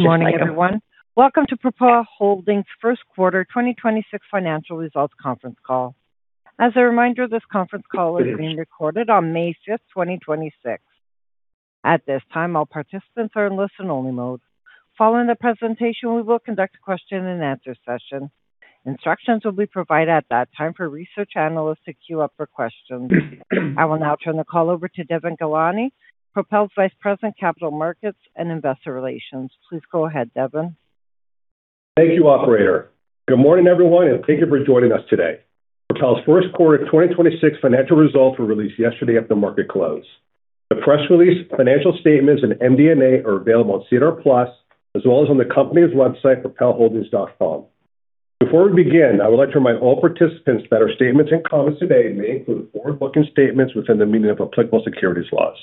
Good morning, everyone. Welcome to Propel Holdings' first quarter 2026 financial results conference call. As a reminder, this conference call is being recorded on May 5th, 2026. At this time, all participants are in listen-only mode. Following the presentation, we will conduct a question and answer session. Instructions will be provided at that time for research analysts to queue up for questions. I will now turn the call over to Devon Ghelani, Propel's Vice President, Capital Markets and Investor Relations. Please go ahead, Devon. Thank you, operator. Good morning, everyone, and thank you for joining us today. Propel's first quarter 2026 financial results were released yesterday at the market close. The press release, financial statements, and MD&A are available on SEDAR+, as well as on the company's website, propelholdings.com. Before we begin, I would like to remind all participants that our statements and comments today may include forward-looking statements within the meaning of applicable securities laws.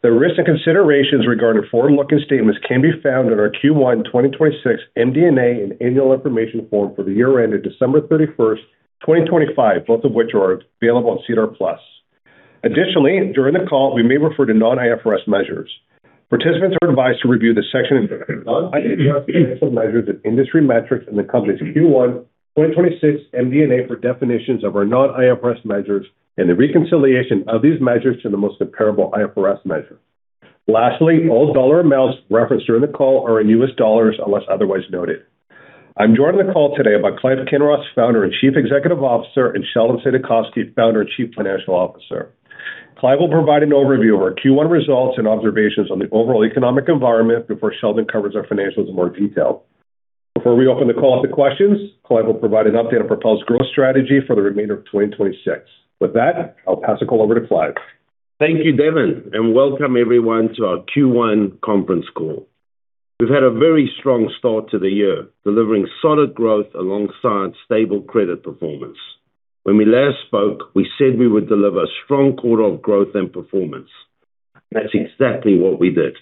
The risks and considerations regarding forward-looking statements can be found in our Q1 2026 MD&A and annual information form for the year ended December 31st, 2025, both of which are available on SEDAR+. Additionally, during the call, we may refer to non-IFRS measures. Participants are advised to review the section on IFRS financial measures and industry metrics in the company's Q1 2026 MD&A for definitions of our non-IFRS measures and the reconciliation of these measures to the most comparable IFRS measures. Lastly, all dollar amounts referenced during the call are in U.S. dollars unless otherwise noted. I'm joined on the call today by Clive Kinross, Founder and Chief Executive Officer, and Sheldon Saidakovsky, Founder and Chief Financial Officer. Clive will provide an overview of our Q1 results and observations on the overall economic environment before Sheldon covers our financials in more detail. Before we open the call up to questions, Clive will provide an update on Propel's growth strategy for the remainder of 2026. With that, I'll pass the call over to Clive. Thank you, Devon, welcome everyone to our Q1 conference call. We've had a very strong start to the year, delivering solid growth alongside stable credit performance. When we last spoke, we said we would deliver strong quarter of growth and performance. That's exactly what we did.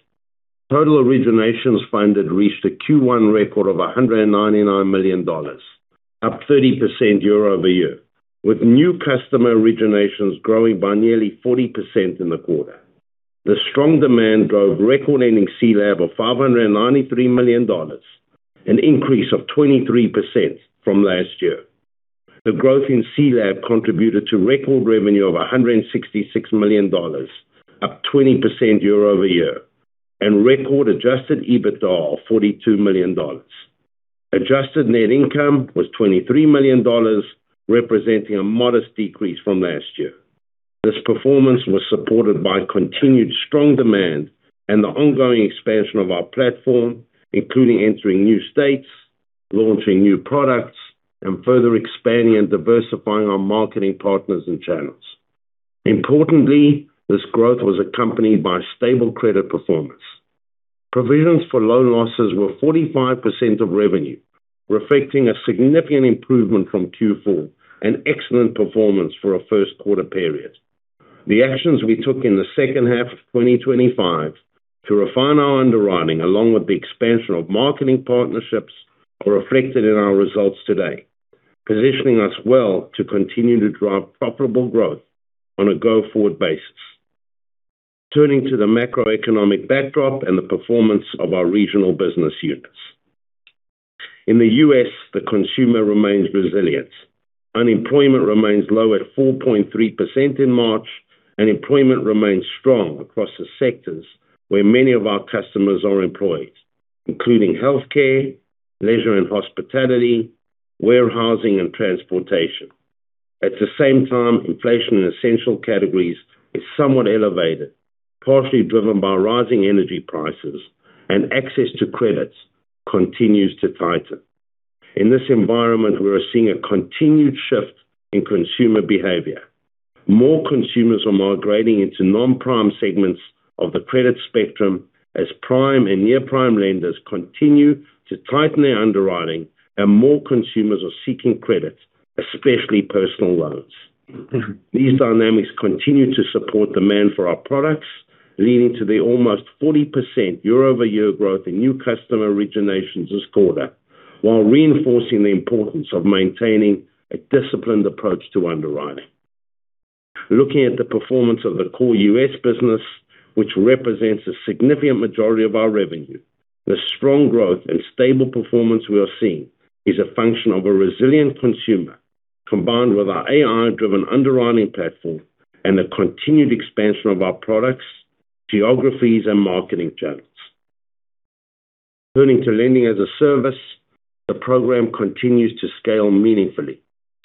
Total originations funded reached a Q1 record of $199 million, up 30% year-over-year, with new customer originations growing by nearly 40% in the quarter. The strong demand drove record ending CLAB of $593 million, an increase of 23% from last year. The growth in CLAB contributed to record revenue of $166 million, up 20% year-over-year, and record adjusted EBITDA of $42 million. Adjusted net income was $23 million, representing a modest decrease from last year. This performance was supported by continued strong demand and the ongoing expansion of our platform, including entering new states, launching new products, and further expanding and diversifying our marketing partners and channels. Importantly, this growth was accompanied by stable credit performance. Provisions for loan losses were 45% of revenue, reflecting a significant improvement from Q4 and excellent performance for a first quarter period. The actions we took in the second half of 2025 to refine our underwriting, along with the expansion of marketing partnerships, are reflected in our results today, positioning us well to continue to drive profitable growth on a go-forward basis. Turning to the macroeconomic backdrop and the performance of our regional business units. In the U.S., the consumer remains resilient. Unemployment remains low at 4.3% in March. Employment remains strong across the sectors where many of our customers are employed, including healthcare, leisure and hospitality, warehousing, and transportation. At the same time, inflation in essential categories is somewhat elevated, partially driven by rising energy prices. Access to credit continues to tighten. In this environment, we are seeing a continued shift in consumer behavior. More consumers are migrating into non-prime segments of the credit spectrum as prime and near-prime lenders continue to tighten their underwriting. More consumers are seeking credit, especially personal loans. These dynamics continue to support demand for our products, leading to the almost 40% year-over-year growth in new customer originations this quarter, while reinforcing the importance of maintaining a disciplined approach to underwriting. Looking at the performance of the core U.S. business, which represents a significant majority of our revenue, the strong growth and stable performance we are seeing is a function of a resilient consumer combined with our AI-driven underwriting platform and the continued expansion of our products, geographies, and marketing channels. Turning to Lending-as-a-Service, the program continues to scale meaningfully,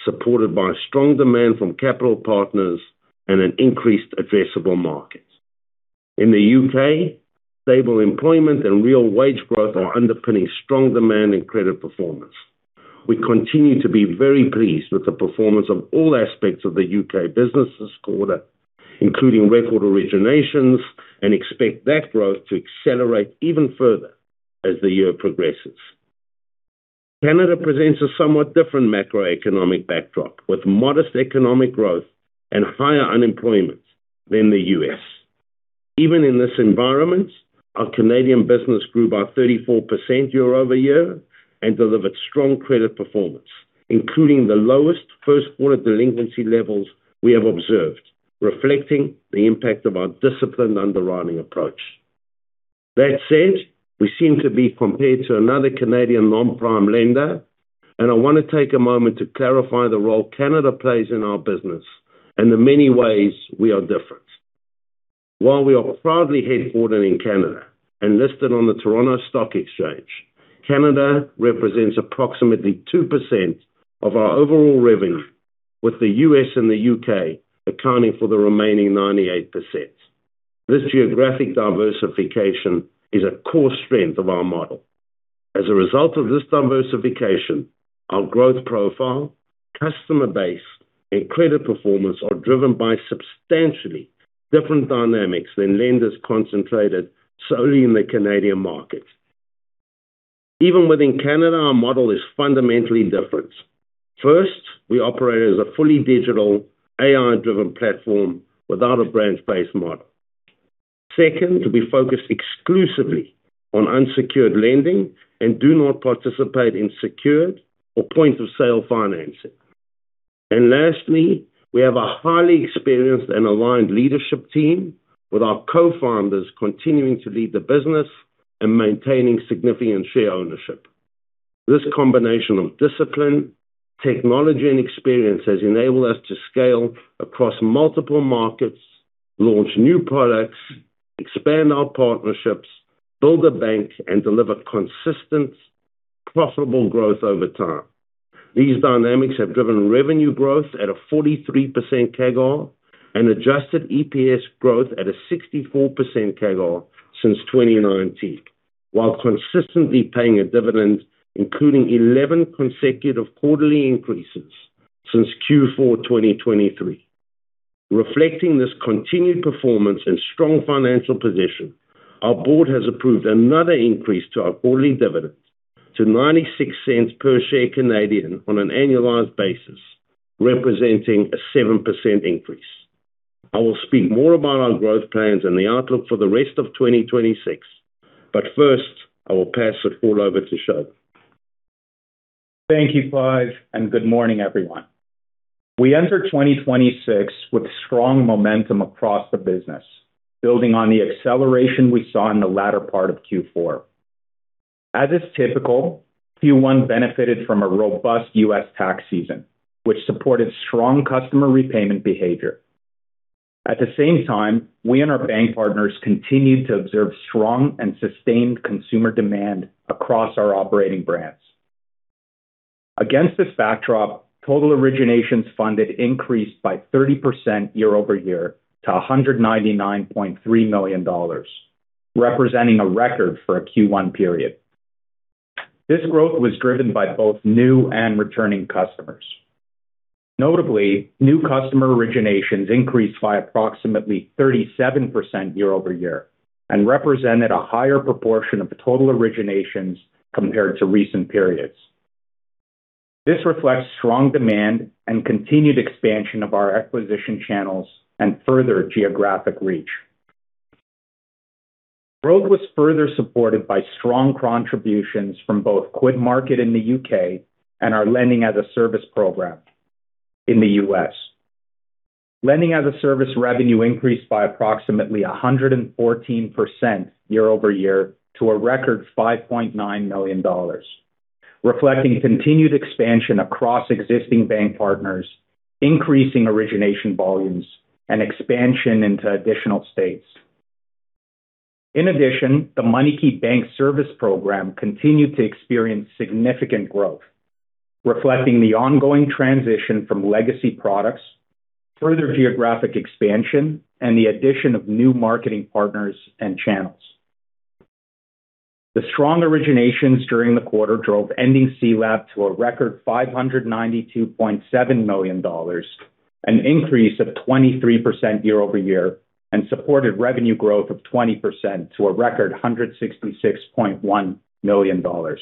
supported by strong demand from capital partners and an increased addressable market. In the U.K., stable employment and real wage growth are underpinning strong demand and credit performance. We continue to be very pleased with the performance of all aspects of the U.K. business this quarter, including record originations. We expect that growth to accelerate even further as the year progresses. Canada presents a somewhat different macroeconomic backdrop, with modest economic growth and higher unemployment than the U.S. Even in this environment, our Canadian business grew by 34% year-over-year and delivered strong credit performance, including the lowest first quarter delinquency levels we have observed, reflecting the impact of our disciplined underwriting approach. That said, we seem to be compared to another Canadian non-prime lender, I want to take a moment to clarify the role Canada plays in our business and the many ways we are different. While we are proudly headquartered in Canada and listed on the Toronto Stock Exchange, Canada represents approximately 2% of our overall revenue, with the U.S. and the U.K. accounting for the remaining 98%. This geographic diversification is a core strength of our model. As a result of this diversification, our growth profile, customer base, and credit performance are driven by substantially different dynamics than lenders concentrated solely in the Canadian market. Even within Canada, our model is fundamentally different. First, we operate as a fully digital AI-driven platform without a branch-based model. Second, we focus exclusively on unsecured lending and do not participate in secured or point-of-sale financing. Lastly, we have a highly experienced and aligned leadership team, with our co-founders continuing to lead the business and maintaining significant share ownership. This combination of discipline, technology, and experience has enabled us to scale across multiple markets, launch new products, expand our partnerships, build a bank, and deliver consistent profitable growth over time. These dynamics have driven revenue growth at a 43% CAGR and adjusted EPS growth at a 64% CAGR since 2019, while consistently paying a dividend including 11 consecutive quarterly increases since Q4 2023. Reflecting this continued performance and strong financial position, our board has approved another increase to our quarterly dividend to 0.96 per share on an annualized basis, representing a 7% increase. I will speak more about our growth plans and the outlook for the rest of 2026, but first, I will pass it all over to Sheldon. Thank you, Clive, and good morning, everyone. We enter 2026 with strong momentum across the business, building on the acceleration we saw in the latter part of Q4. As is typical, Q1 benefited from a robust U.S. tax season, which supported strong customer repayment behavior. At the same time, we and our bank partners continued to observe strong and sustained consumer demand across our operating brands. Against this backdrop, total originations funded increased by 30% year-over-year to $199.3 million, representing a record for a Q1 period. This growth was driven by both new and returning customers. Notably, new customer originations increased by approximately 37% year-over-year and represented a higher proportion of the total originations compared to recent periods. This reflects strong demand and continued expansion of our acquisition channels and further geographic reach. Growth was further supported by strong contributions from both QuidMarket in the U.K. and our Lending-as-a-Service program in the U.S. Lending-as-a-Service revenue increased by approximately 114% year-over-year to a record $5.9 million, reflecting continued expansion across existing bank partners, increasing origination volumes, and expansion into additional states. In addition, the MoneyKey Bank Service program continued to experience significant growth, reflecting the ongoing transition from legacy products, further geographic expansion, and the addition of new marketing partners and channels. The strong originations during the quarter drove ending CLAB to a record $592.7 million, an increase of 23% year-over-year, and supported revenue growth of 20% to a record $166.1 million. The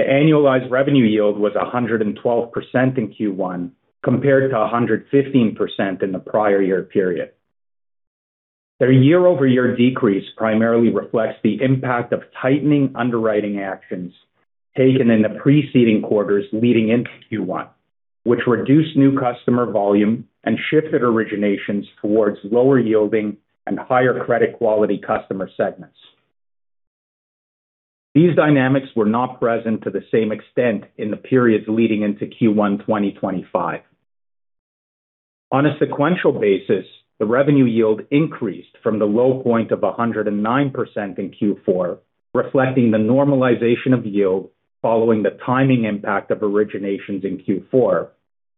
annualized revenue yield was 112% in Q1 compared to 115% in the prior year period. The year-over-year decrease primarily reflects the impact of tightening underwriting actions taken in the preceding quarters leading into Q1, which reduced new customer volume and shifted originations towards lower-yielding and higher credit quality customer segments. These dynamics were not present to the same extent in the periods leading into Q1 2025. On a sequential basis, the revenue yield increased from the low point of 109% in Q4, reflecting the normalization of yield following the timing impact of originations in Q4,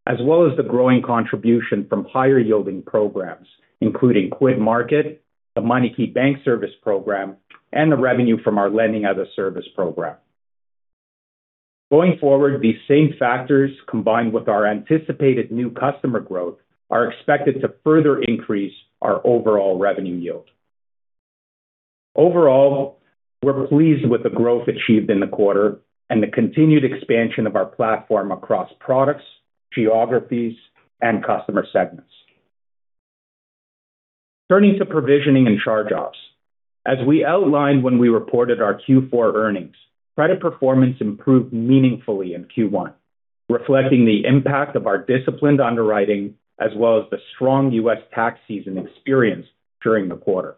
as well as the growing contribution from higher-yielding programs, including QuidMarket, the MoneyKey Bank Service program, and the revenue from our Lending-as-a-Service program. Going forward, these same factors, combined with our anticipated new customer growth, are expected to further increase our overall revenue yield. Overall, we're pleased with the growth achieved in the quarter and the continued expansion of our platform across products, geographies, and customer segments. Turning to provisioning and charge-offs. As we outlined when we reported our Q4 earnings, credit performance improved meaningfully in Q1, reflecting the impact of our disciplined underwriting as well as the strong U.S. tax season experienced during the quarter.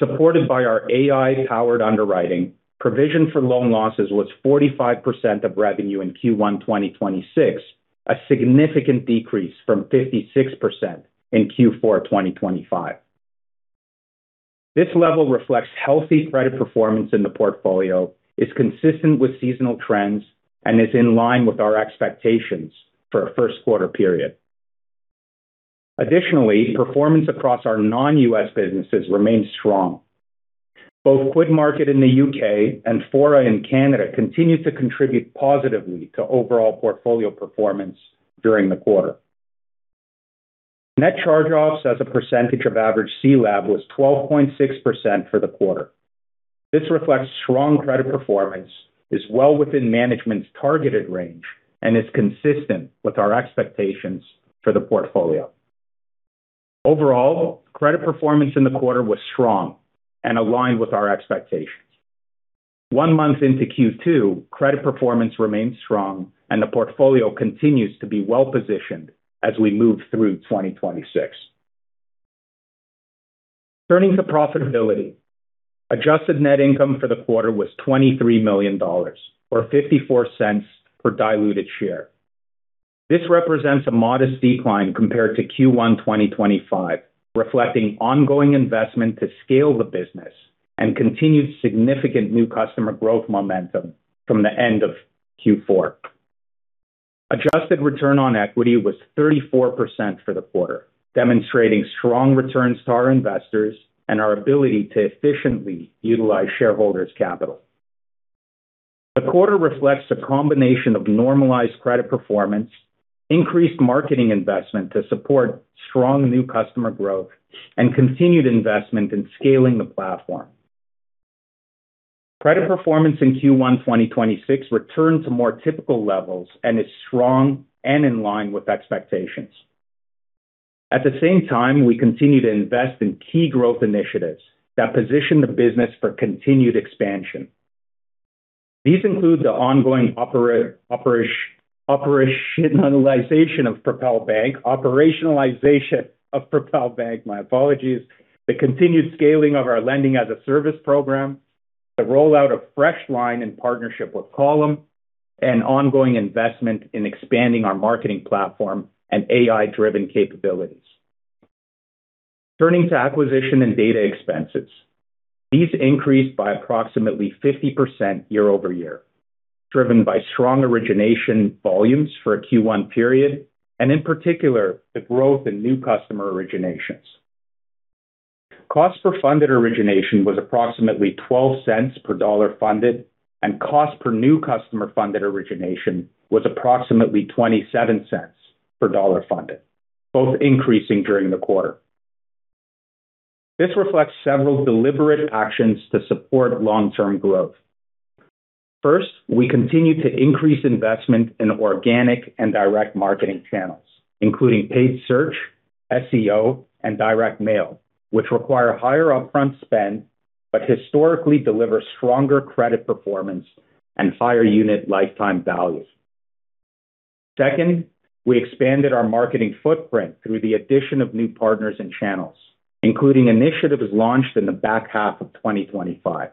Supported by our AI-powered underwriting, provision for loan losses was 45% of revenue in Q1 2026, a significant decrease from 56% in Q4 2025. This level reflects healthy credit performance in the portfolio, is consistent with seasonal trends, and is in line with our expectations for a first quarter period. Additionally, performance across our non-U.S. businesses remains strong. Both QuidMarket in the U.K. and Fora in Canada continue to contribute positively to overall portfolio performance during the quarter. Net charge-offs as a percentage of average CLAB was 12.6% for the quarter. This reflects strong credit performance, is well within management's targeted range, and is consistent with our expectations for the portfolio. Overall, credit performance in the quarter was strong and aligned with our expectations. One month into Q2, credit performance remains strong, and the portfolio continues to be well-positioned as we move through 2026. Turning to profitability. Adjusted net income for the quarter was $23 million or $0.54 per diluted share. This represents a modest decline compared to Q1 2025, reflecting ongoing investment to scale the business and continued significant new customer growth momentum from the end of Q4. Adjusted return on equity was 34% for the quarter, demonstrating strong returns to our investors and our ability to efficiently utilize shareholders' capital. The quarter reflects a combination of normalized credit performance, increased marketing investment to support strong new customer growth, and continued investment in scaling the platform. Credit performance in Q1 2026 returned to more typical levels and is strong and in line with expectations. At the same time, we continue to invest in key growth initiatives that position the business for continued expansion. These include the ongoing operationalization of Propel Bank, my apologies. The continued scaling of our Lending-as-a-Service program, the rollout of FreshLine in partnership with Column, and ongoing investment in expanding our marketing platform and AI-driven capabilities. Turning to acquisition and data expenses. These increased by approximately 50% year-over-year, driven by strong origination volumes for a Q1 period and, in particular, the growth in new customer originations. Cost per funded origination was approximately $0.12 per dollar funded, and cost per new customer-funded origination was approximately $0.27 per dollar funded, both increasing during the quarter. This reflects several deliberate actions to support long-term growth. First, we continue to increase investment in organic and direct marketing channels, including paid search, SEO, and direct mail, which require higher upfront spend, but historically deliver stronger credit performance and higher unit lifetime value. Second, we expanded our marketing footprint through the addition of new partners and channels, including initiatives launched in the back half of 2025.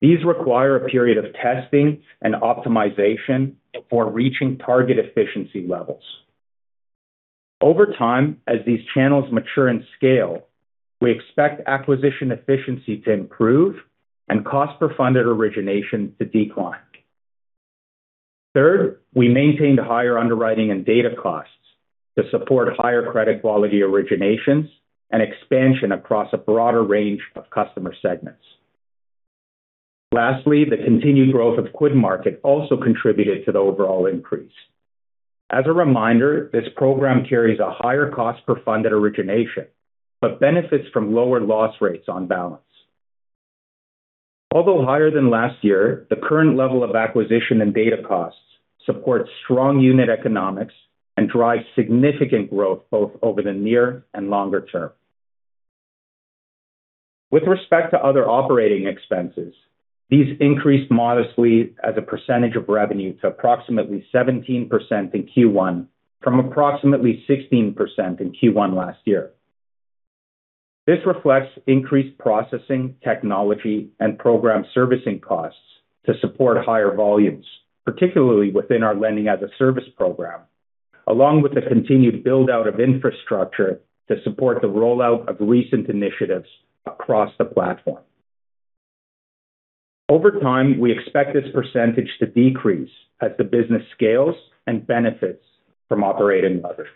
These require a period of testing and optimization before reaching target efficiency levels. Over time, as these channels mature and scale, we expect acquisition efficiency to improve and cost per funded origination to decline. Third, we maintained higher underwriting and data costs to support higher credit quality originations and expansion across a broader range of customer segments. Lastly, the continued growth of QuidMarket also contributed to the overall increase. As a reminder, this program carries a higher cost per funded origination, but benefits from lower loss rates on balance. Although higher than last year, the current level of acquisition and data costs supports strong unit economics and drives significant growth both over the near and longer term. With respect to other operating expenses, these increased modestly as a percentage of revenue to approximately 17% in Q1 from approximately 16% in Q1 last year. This reflects increased processing, technology, and program servicing costs to support higher volumes, particularly within our Lending-as-a-Service program, along with the continued build-out of infrastructure to support the rollout of recent initiatives across the platform. Over time, we expect this percentage to decrease as the business scales and benefits from operating leverage.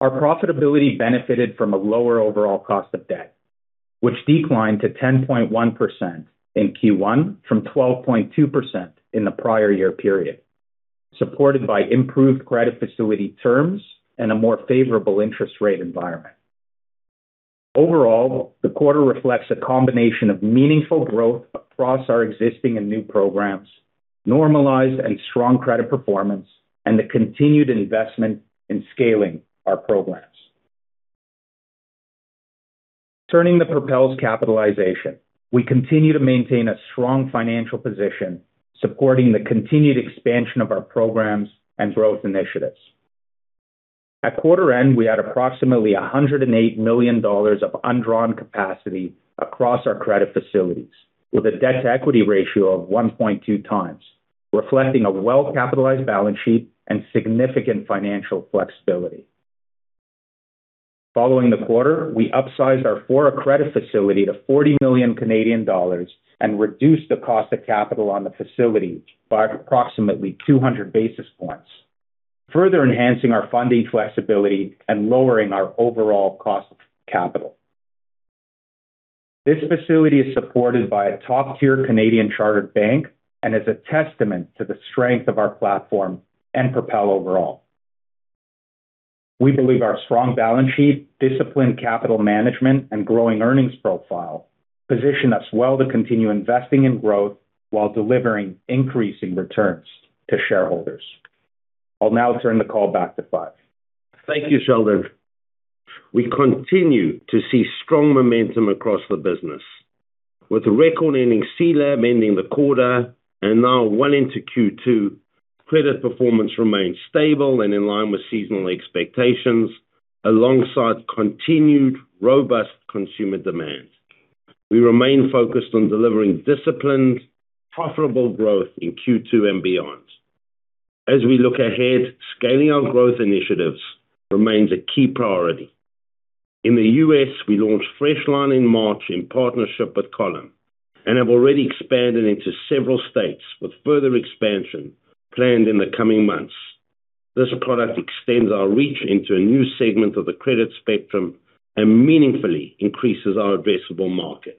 Our profitability benefited from a lower overall cost of debt, which declined to 10.1% in Q1 from 12.2% in the prior year period, supported by improved credit facility terms and a more favorable interest rate environment. Overall, the quarter reflects a combination of meaningful growth across our existing and new programs, normalized and strong credit performance, and the continued investment in scaling our programs. Turning to Propel's capitalization. We continue to maintain a strong financial position, supporting the continued expansion of our programs and growth initiatives. At quarter end, we had approximately $108 million of undrawn capacity across our credit facilities with a debt-to-equity ratio of 1.2x, reflecting a well-capitalized balance sheet and significant financial flexibility. Following the quarter, we upsized our Fora Credit facility to 40 million Canadian dollars and reduced the cost of capital on the facility by approximately 200 basis points, further enhancing our funding flexibility and lowering our overall cost of capital. This facility is supported by a top-tier Canadian chartered bank and is a testament to the strength of our platform and Propel overall. We believe our strong balance sheet, disciplined capital management, and growing earnings profile position us well to continue investing in growth while delivering increasing returns to shareholders. I'll now turn the call back to Clive. Thank you, Sheldon. We continue to see strong momentum across the business. With a record-ending CLAB ending the quarter and now one into Q2, credit performance remains stable and in line with seasonal expectations alongside continued robust consumer demand. We remain focused on delivering disciplined, profitable growth in Q2 and beyond. As we look ahead, scaling our growth initiatives remains a key priority. In the U.S., we launched FreshLine in March in partnership with Column, and have already expanded into several states with further expansion planned in the coming months. This product extends our reach into a new segment of the credit spectrum and meaningfully increases our addressable market.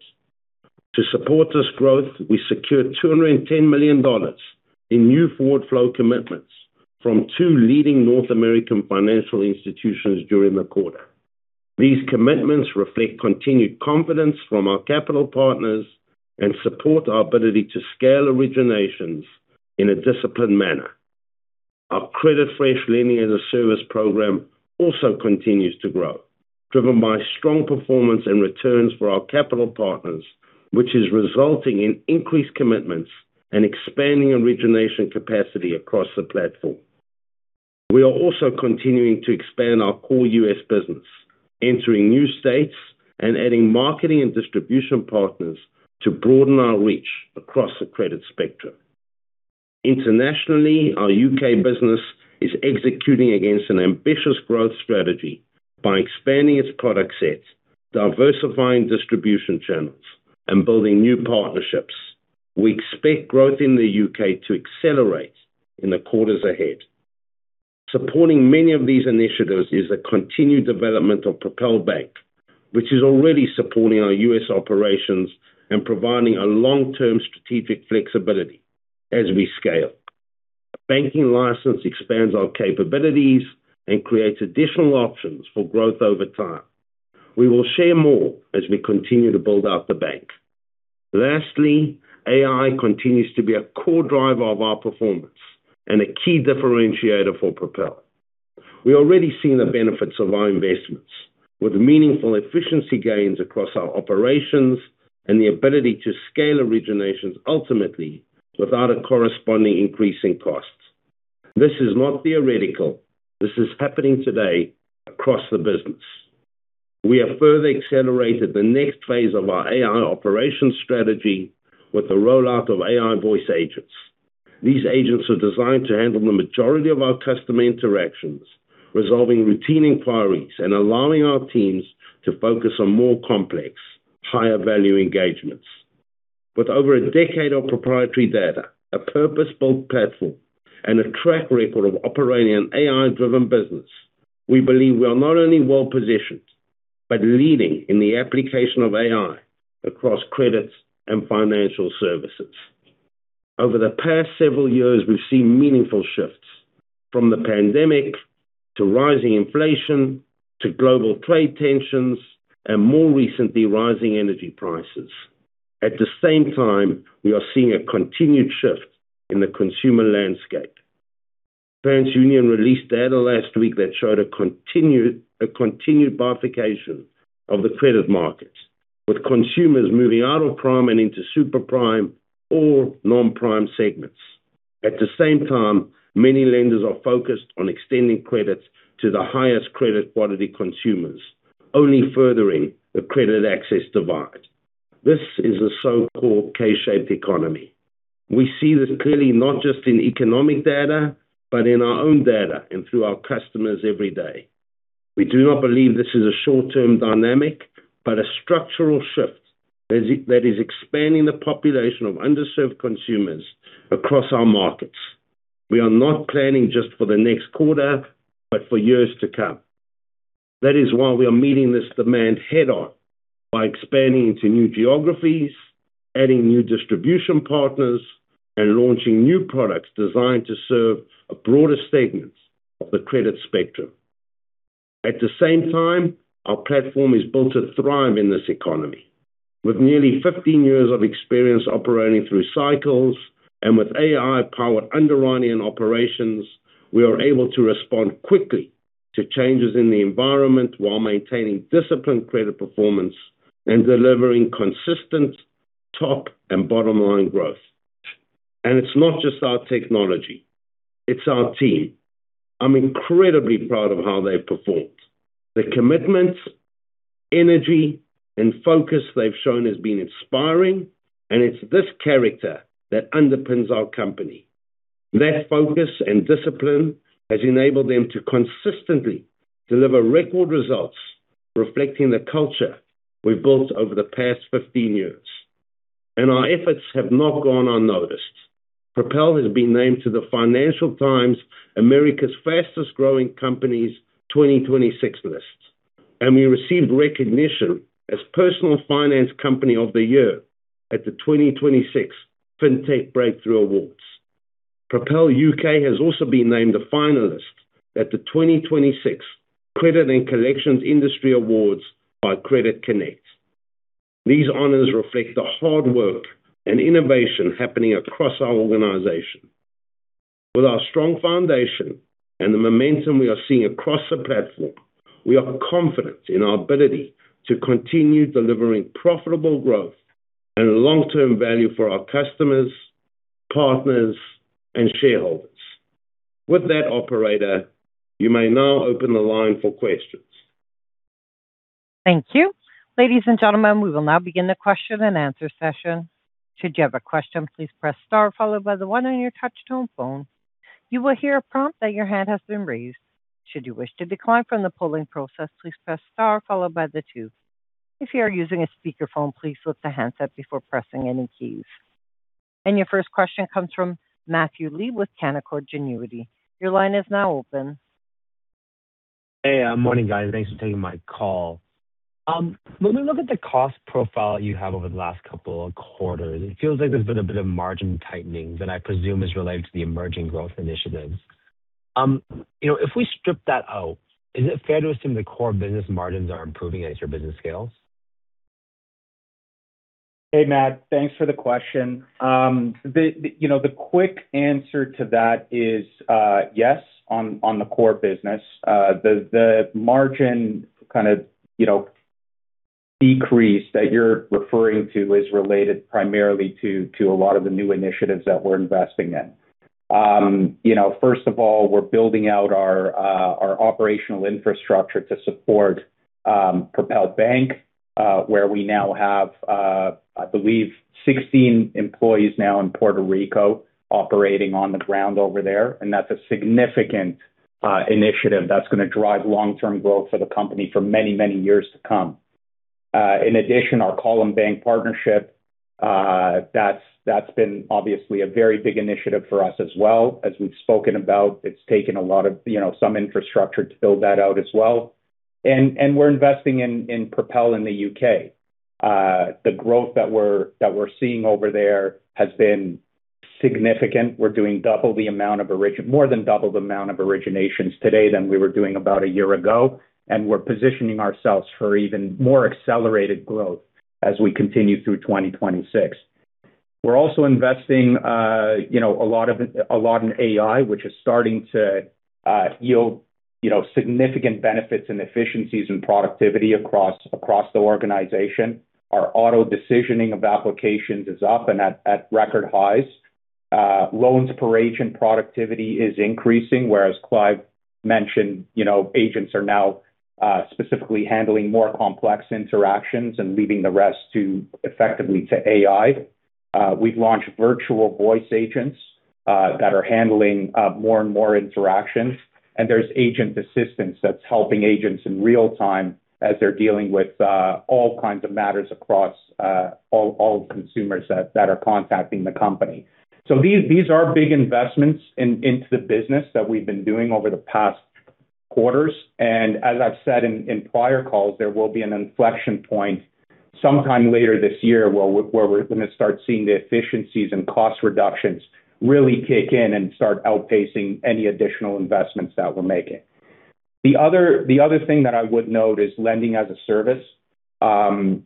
To support this growth, we secured $210 million in new forward flow commitments from two leading North American financial institutions during the quarter. These commitments reflect continued confidence from our capital partners and support our ability to scale originations in a disciplined manner. Our CreditFresh Lending-as-a-Service program also continues to grow, driven by strong performance and returns for our capital partners, which is resulting in increased commitments and expanding origination capacity across the platform. We are also continuing to expand our core U.S. business, entering new states and adding marketing and distribution partners to broaden our reach across the credit spectrum. Internationally, our U.K. business is executing against an ambitious growth strategy by expanding its product sets, diversifying distribution channels, and building new partnerships. We expect growth in the U.K. to accelerate in the quarters ahead. Supporting many of these initiatives is a continued development of Propel Bank, which is already supporting our U.S. operations and providing a long-term strategic flexibility as we scale. A banking license expands our capabilities and creates additional options for growth over time. We will share more as we continue to build out the bank. Lastly, AI continues to be a core driver of our performance and a key differentiator for Propel. We are already seeing the benefits of our investments, with meaningful efficiency gains across our operations and the ability to scale originations ultimately without a corresponding increase in costs. This is not theoretical. This is happening today across the business. We have further accelerated the next phase of our AI operations strategy with the rollout of AI voice agents. These agents are designed to handle the majority of our customer interactions, resolving routine inquiries, and allowing our teams to focus on more complex, higher-value engagements. With over a decade of proprietary data, a purpose-built platform, and a track record of operating an AI-driven business, we believe we are not only well-positioned, but leading in the application of AI across credits and financial services. Over the past several years, we've seen meaningful shifts, from the pandemic to rising inflation to global trade tensions, and more recently, rising energy prices. At the same time, we are seeing a continued shift in the consumer landscape. TransUnion released data last week that showed a continued bifurcation of the credit markets, with consumers moving out of prime and into super prime or non-prime segments. At the same time, many lenders are focused on extending credit to the highest credit quality consumers, only furthering the credit access divide. This is a so-called K-shaped economy. We see this clearly not just in economic data, but in our own data and through our customers every day. We do not believe this is a short-term dynamic, but a structural shift that is expanding the population of underserved consumers across our markets. We are not planning just for the next quarter, but for years to come. That is why we are meeting this demand head-on by expanding into new geographies, adding new distribution partners, and launching new products designed to serve a broader segment of the credit spectrum. At the same time, our platform is built to thrive in this economy. With nearly 15 years of experience operating through cycles and with AI-powered underwriting and operations, we are able to respond quickly to changes in the environment while maintaining disciplined credit performance and delivering consistent top and bottom line growth. It's not just our technology, it's our team. I'm incredibly proud of how they've performed. The commitment, energy, and focus they've shown has been inspiring, and it's this character that underpins our company. That focus and discipline has enabled them to consistently deliver record results reflecting the culture we've built over the past 15 years. Our efforts have not gone unnoticed. Propel has been named to the Financial Times America's Fastest-Growing Companies 2026 list. We received recognition as Personal Finance Company of the Year at the 2026 FinTech Breakthrough Awards. Propel U.K. has also been named a finalist at the 2026 Credit & Collections Industry Awards by Credit Connect. These honors reflect the hard work and innovation happening across our organization. With our strong foundation and the momentum we are seeing across the platform, we are confident in our ability to continue delivering profitable growth and long-term value for our customers, partners, and shareholders. With that, operator, you may now open the line for questions. Thank you. Ladies and gentlemen, we will now begin the question and answer session. Your first question comes from Matthew Lee with Canaccord Genuity. Your line is now open. Hey, morning, guys. Thanks for taking my call. When we look at the cost profile you have over the last couple of quarters, it feels like there's been a bit of margin tightening that I presume is related to the emerging growth initiatives. You know, if we strip that out, is it fair to assume the core business margins are improving as your business scales? Hey, Matt. Thanks for the question. You know, the quick answer to that is yes, on the core business. The margin kind of, you know, decrease that you're referring to is related primarily to a lot of the new initiatives that we're investing in. You know, first of all, we're building out our operational infrastructure to support Propel Bank, where we now have, I believe, 16 employees now in Puerto Rico operating on the ground over there. That's a significant initiative that's gonna drive long-term growth for the company for many years to come. In addition, our Column Bank partnership, that's been obviously a very big initiative for us as well. As we've spoken about, it's taken a lot of, you know, some infrastructure to build that out as well. We're investing in Propel in the U.K. The growth that we're seeing over there has been significant. We're doing double the amount of originations today than we were doing about a year ago, and we're positioning ourselves for even more accelerated growth as we continue through 2026. We're also investing, you know, a lot in AI, which is starting to yield, you know, significant benefits and efficiencies in productivity across the organization. Our auto-decisioning of applications is up and at record highs. Loans-per-agent productivity is increasing, whereas Clive mentioned, you know, agents are now specifically handling more complex interactions and leaving the rest to effectively to AI. We've launched virtual voice agents that are handling more and more interactions. There's agent assistance that's helping agents in real-time as they're dealing with all kinds of matters across all consumers that are contacting the company. These are big investments into the business that we've been doing over the past quarters. As I've said in prior calls, there will be an inflection point sometime later this year where we're gonna start seeing the efficiencies and cost reductions really kick in and start outpacing any additional investments that we're making. The other thing that I would note is Lending-as-a-Service.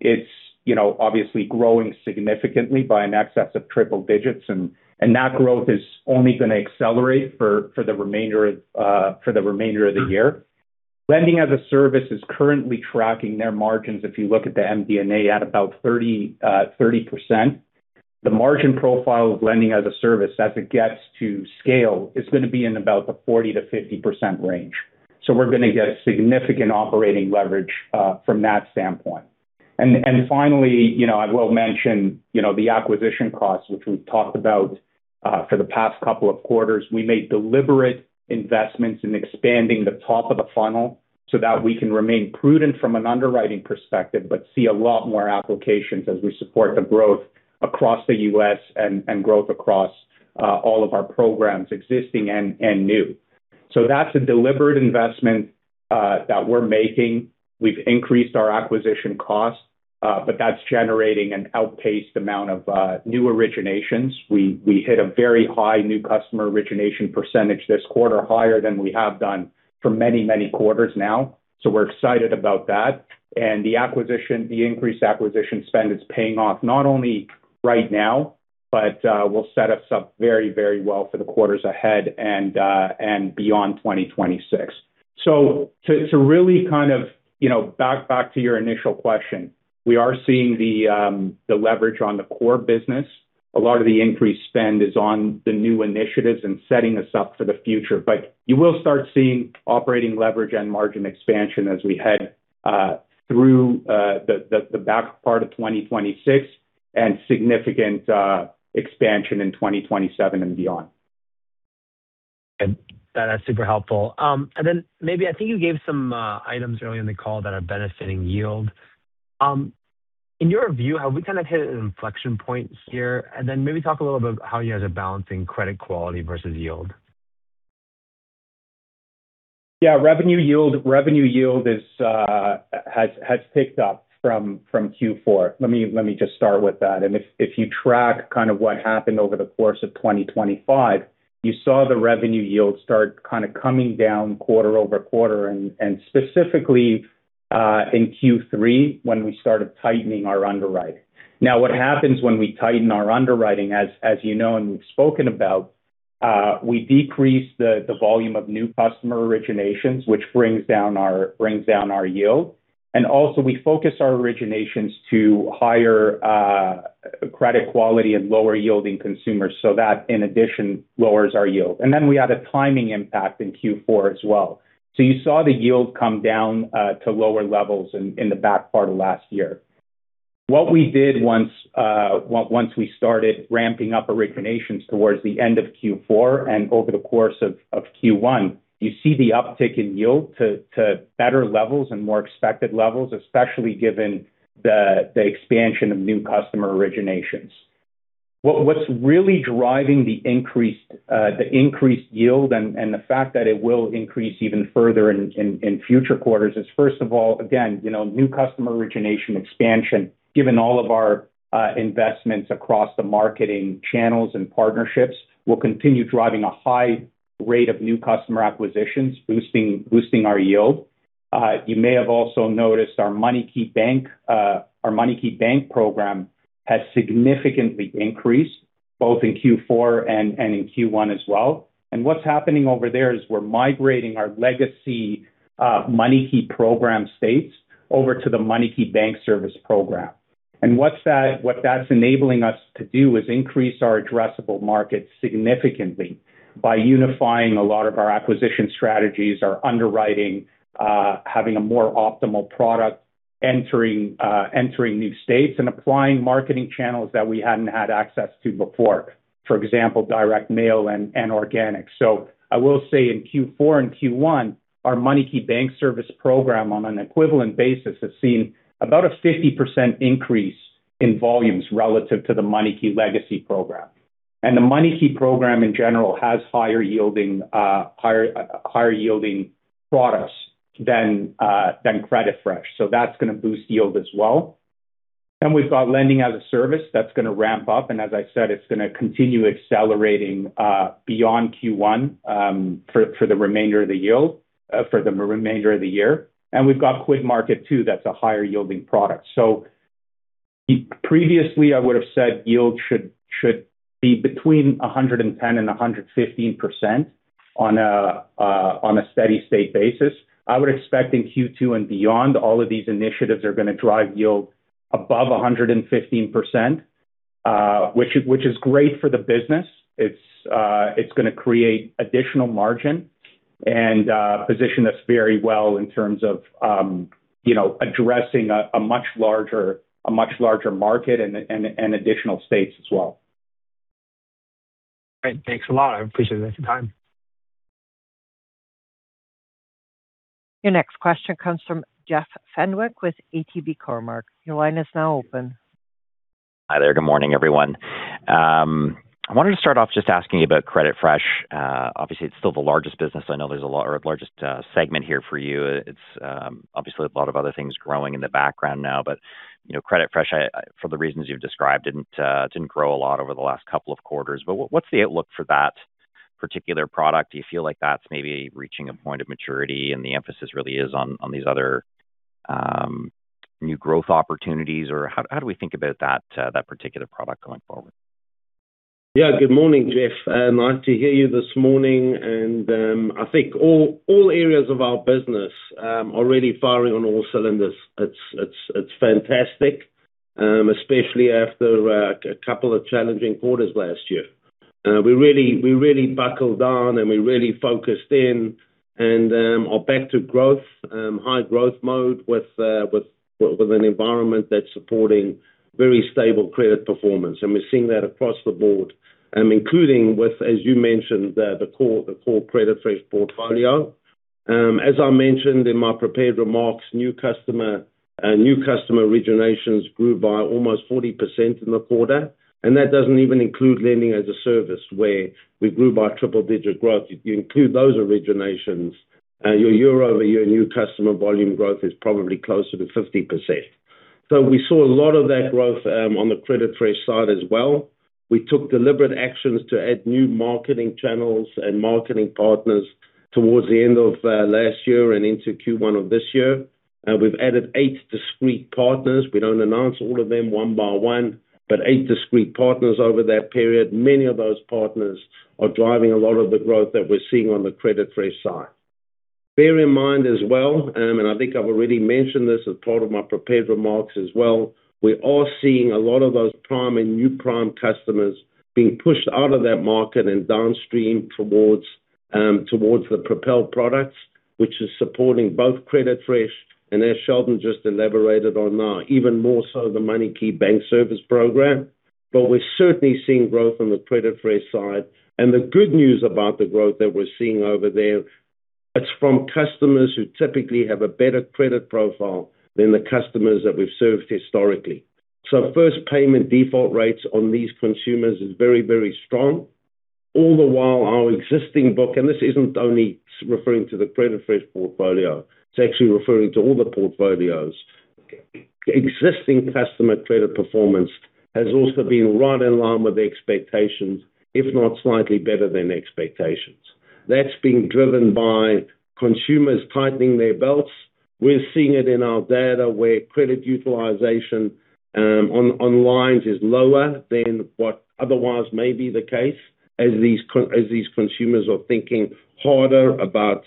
It's, you know, obviously growing significantly by an excess of triple digits and that growth is only gonna accelerate for the remainder of the year. Lending-as-a-Service is currently tracking their margins, if you look at the MD&A, at about 30%. The margin profile of Lending-as-a-Service as it gets to scale is gonna be in about the 40%-50% range. We're gonna get significant operating leverage from that standpoint. Finally, you know, I will mention, you know, the acquisition costs, which we've talked about for the past couple of quarters. We made deliberate investments in expanding the top of the funnel so that we can remain prudent from an underwriting perspective, but see a lot more applications as we support the growth across the U.S. and growth across all of our programs existing and new. That's a deliberate investment that we're making. We've increased our acquisition cost, that's generating an outpaced amount of new originations. We hit a very high new customer origination percentage this quarter, higher than we have done for many quarters now. We're excited about that. The acquisition, the increased acquisition spend is paying off, not only right now, but will set us up very well for the quarters ahead and beyond 2026. To really kind of, you know, back to your initial question, we are seeing the leverage on the core business. A lot of the increased spend is on the new initiatives and setting us up for the future. You will start seeing operating leverage and margin expansion as we head through the back part of 2026 and significant expansion in 2027 and beyond. That's super helpful. Maybe I think you gave some items earlier in the call that are benefiting yield. In your view, have we kind of hit an inflection point here? Maybe talk a little bit how you guys are balancing credit quality versus yield. Yeah. Revenue yield has ticked up from Q4. Let me just start with that. If you track kind of what happened over the course of 2025, you saw the revenue yield start kind of coming down quarter-over-quarter and specifically in Q3 when we started tightening our underwriting. What happens when we tighten our underwriting, as you know and we've spoken about, we decrease the volume of new customer originations, which brings down our yield. Also we focus our originations to higher credit quality and lower yielding consumers so that in addition lowers our yield. We had a timing impact in Q4 as well. You saw the yield come down to lower levels in the back part of last year. What we did once we started ramping up originations towards the end of Q4 and over the course of Q1, you see the uptick in yield to better levels and more expected levels, especially given the expansion of new customer originations. What's really driving the increased the increased yield and the fact that it will increase even further in future quarters is first of all, again, you know, new customer origination expansion. Given all of our investments across the marketing channels and partnerships, we'll continue driving a high rate of new customer acquisitions, boosting our yield. You may have also noticed our MoneyKey bank program has significantly increased both in Q4 and in Q1 as well. What's happening over there is we're migrating our legacy MoneyKey program states over to the MoneyKey Bank Service program. What that's enabling us to do is increase our addressable market significantly by unifying a lot of our acquisition strategies, our underwriting, having a more optimal product entering new states and applying marketing channels that we hadn't had access to before. For example, direct mail and organic. I will say in Q4 and Q1, our MoneyKey Bank Service program on an equivalent basis has seen about a 50% increase in volumes relative to the MoneyKey legacy program. The MoneyKey program in general has higher yielding, higher yielding products than CreditFresh. That's gonna boost yield as well. We've got Lending-as-a-Service that's gonna ramp up, and as I said, it's gonna continue accelerating beyond Q1 for the remainder of the year. We've got QuidMarket too that's a higher yielding product. Previously, I would've said yield should be between 110% and 115% on a steady state basis. I would expect in Q2 and beyond, all of these initiatives are gonna drive yield above 115%, which is great for the business. It's gonna create additional margin and position us very well in terms of, you know, addressing a much larger market and additional states as well. Great. Thanks a lot. I appreciate you taking the time. Your next question comes from Jeff Fenwick with ATB Cormark. Your line is now open. Hi there. Good morning, everyone. I wanted to start off just asking you about CreditFresh. Obviously, it's still the largest business. I know there's largest segment here for you. It's obviously a lot of other things growing in the background now. You know, CreditFresh, for the reasons you've described, didn't grow a lot over the last couple of quarters. What's the outlook for that particular product? Do you feel like that's maybe reaching a point of maturity, and the emphasis really is on these other new growth opportunities? How do we think about that particular product going forward? Good morning, Jeff. Nice to hear you this morning. I think all areas of our business are really firing on all cylinders. It's fantastic, especially after a couple of challenging quarters last year. We really buckled down, and we really focused in and are back to growth, high growth mode with an environment that's supporting very stable credit performance. We're seeing that across the board, including with, as you mentioned, the core CreditFresh portfolio. As I mentioned in my prepared remarks, new customer originations grew by almost 40% in the quarter, and that doesn't even include Lending-as-a-Service where we grew by triple-digit growth. If you include those originations, your year-over-year new customer volume growth is probably closer to 50%. We saw a lot of that growth on the CreditFresh side as well. We took deliberate actions to add new marketing channels and marketing partners towards the end of last year and into Q1 of this year. We've added eight discrete partners. We don't announce all of them one by one, but eight discrete partners over that period. Many of those partners are driving a lot of the growth that we're seeing on the CreditFresh side. Bear in mind as well, and I think I've already mentioned this as part of my prepared remarks as well, we are seeing a lot of those prime and new prime customers being pushed out of that market and downstream towards the Propel products, which is supporting both CreditFresh and as Sheldon just elaborated on now, even more so the MoneyKey Bank service program. We're certainly seeing growth on the CreditFresh side. The good news about the growth that we're seeing over there, it's from customers who typically have a better credit profile than the customers that we've served historically. First payment default rates on these consumers is very, very strong. All the while our existing book, and this isn't only referring to the CreditFresh portfolio, it's actually referring to all the portfolios. Existing customer credit performance has also been right in line with the expectations, if not slightly better than expectations. That's being driven by consumers tightening their belts. We're seeing it in our data where credit utilization on lines is lower than what otherwise may be the case as these consumers are thinking harder about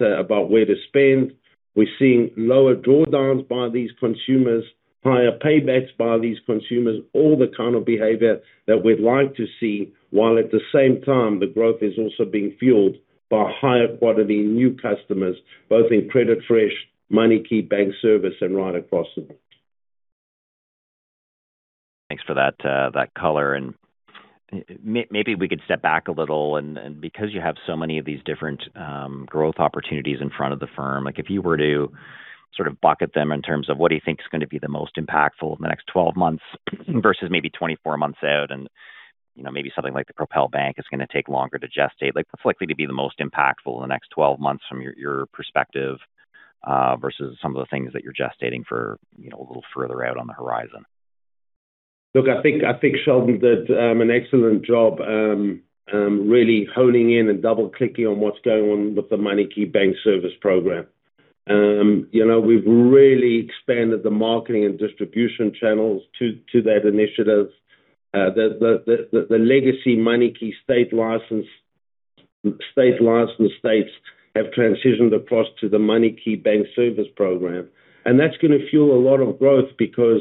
where to spend. We're seeing lower drawdowns by these consumers, higher paybacks by these consumers, all the kind of behavior that we'd like to see, while at the same time the growth is also being fueled by higher quality new customers, both in CreditFresh, MoneyKey Bank service and right across the board. Thanks for that color. Maybe we could step back a little and because you have so many of these different growth opportunities in front of the firm, like if you were to sort of bucket them in terms of what do you think is going to be the most impactful in the next 12 months versus maybe 24 months out and, you know, maybe something like the Propel Bank is going to take longer to gestate. Like, what's likely to be the most impactful in the next 12 months from your perspective versus some of the things that you're gestating for, you know, a little further out on the horizon? Look, I think Sheldon did an excellent job really honing in and double-clicking on what's going on with the MoneyKey Bank service program. You know, we've really expanded the marketing and distribution channels to that initiative. The legacy MoneyKey state license states have transitioned across to the MoneyKey Bank service program, and that's gonna fuel a lot of growth because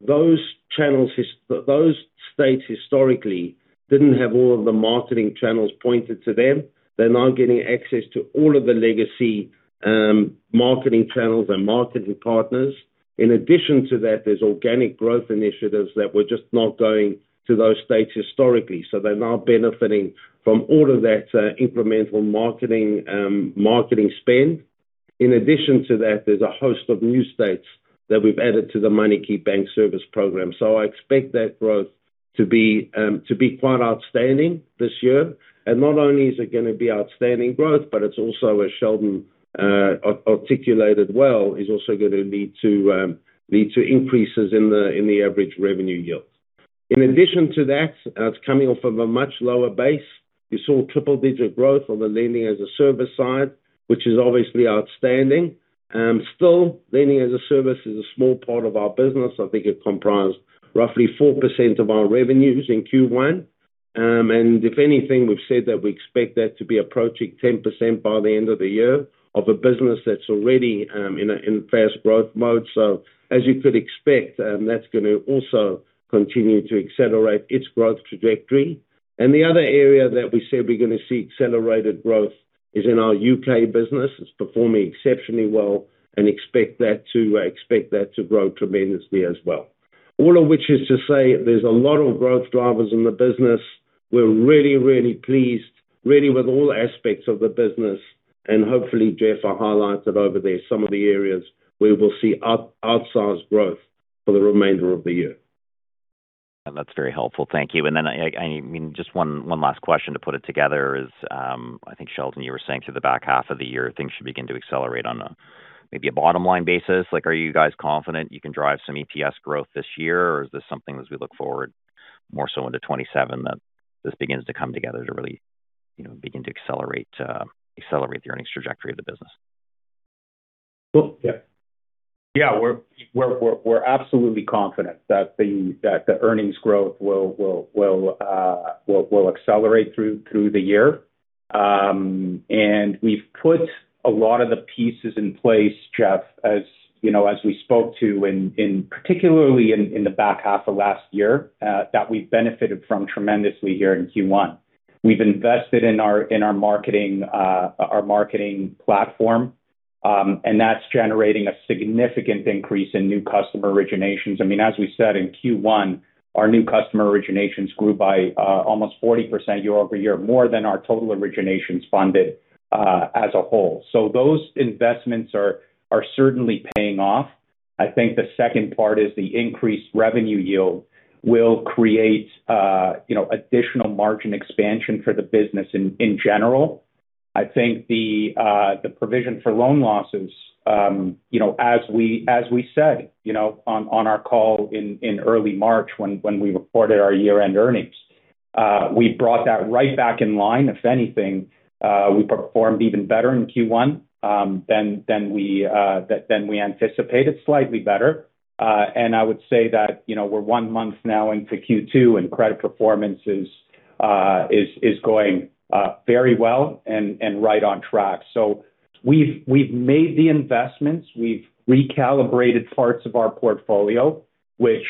those channels those states historically didn't have all of the marketing channels pointed to them. They're now getting access to all of the legacy marketing channels and marketing partners. In addition to that, there's organic growth initiatives that were just not going to those states historically. They're now benefiting from all of that incremental marketing spend. In addition to that, there's a host of new states that we've added to the MoneyKey Bank Service program. I expect that growth to be quite outstanding this year. Not only is it gonna be outstanding growth, but it's also, as Sheldon articulated well, is also gonna lead to increases in the average revenue yield. In addition to that, it's coming off of a much lower base. You saw triple digit growth on the Lending-as-a-Service side, which is obviously outstanding. Still, Lending-as-a-Service is a small part of our business. I think it comprised roughly 4% of our revenues in Q1. If anything, we've said that we expect that to be approaching 10% by the end of the year of a business that's already in fast growth mode. As you could expect, that's gonna also continue to accelerate its growth trajectory. The other area that we said we're gonna see accelerated growth is in our U.K. business. It's performing exceptionally well and expect that to grow tremendously as well. All of which is to say there's a lot of growth drivers in the business. We're really pleased, really with all aspects of the business. Hopefully, Jeff, I highlighted over there some of the areas where we'll see outsize growth for the remainder of the year. That's very helpful. Thank you. I mean, just one last question to put it together is, I think Sheldon, you were saying through the back half of the year, things should begin to accelerate on a maybe a bottom line basis. Like, are you guys confident you can drive some EPS growth this year, or is this something as we look forward more so into 2027 that this begins to come together to really, you know, begin to accelerate the earnings trajectory of the business? Well, yeah. Yeah, we're absolutely confident that the earnings growth will accelerate through the year. We've put a lot of the pieces in place, Jeff, as, you know, as we spoke to in particularly in the back half of last year, that we've benefited from tremendously here in Q1. We've invested in our marketing platform, and that's generating a significant increase in new customer originations. I mean, as we said in Q1, our new customer originations grew by almost 40% year-over-year, more than our total originations funded as a whole. Those investments are certainly paying off. I think the second part is the increased revenue yield will create, you know, additional margin expansion for the business in general. I think the provision for loan losses, you know, as we, as we said, you know, on our call in early March when we reported our year-end earnings, we brought that right back in line. If anything, we performed even better in Q1 than we anticipated, slightly better. I would say that, you know, we're one month now into Q2, and credit performance is going very well and right on track. We've made the investments. We've recalibrated parts of our portfolio, which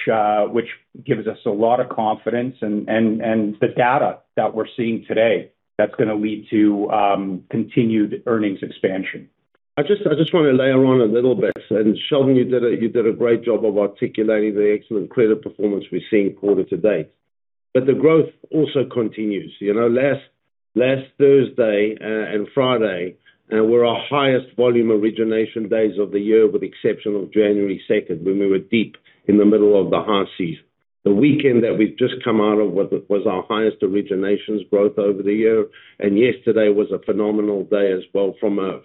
gives us a lot of confidence and the data that we're seeing today that's going to lead to continued earnings expansion. I just wanna layer on a little bit. Sheldon, you did a great job of articulating the excellent credit performance we're seeing quarter to date. The growth also continues. You know, last Thursday and Friday were our highest volume origination days of the year, with the exception of January 2nd, when we were deep in the middle of the high season. The weekend that we've just come out of was our highest originations growth over the year. Yesterday was a phenomenal day as well from an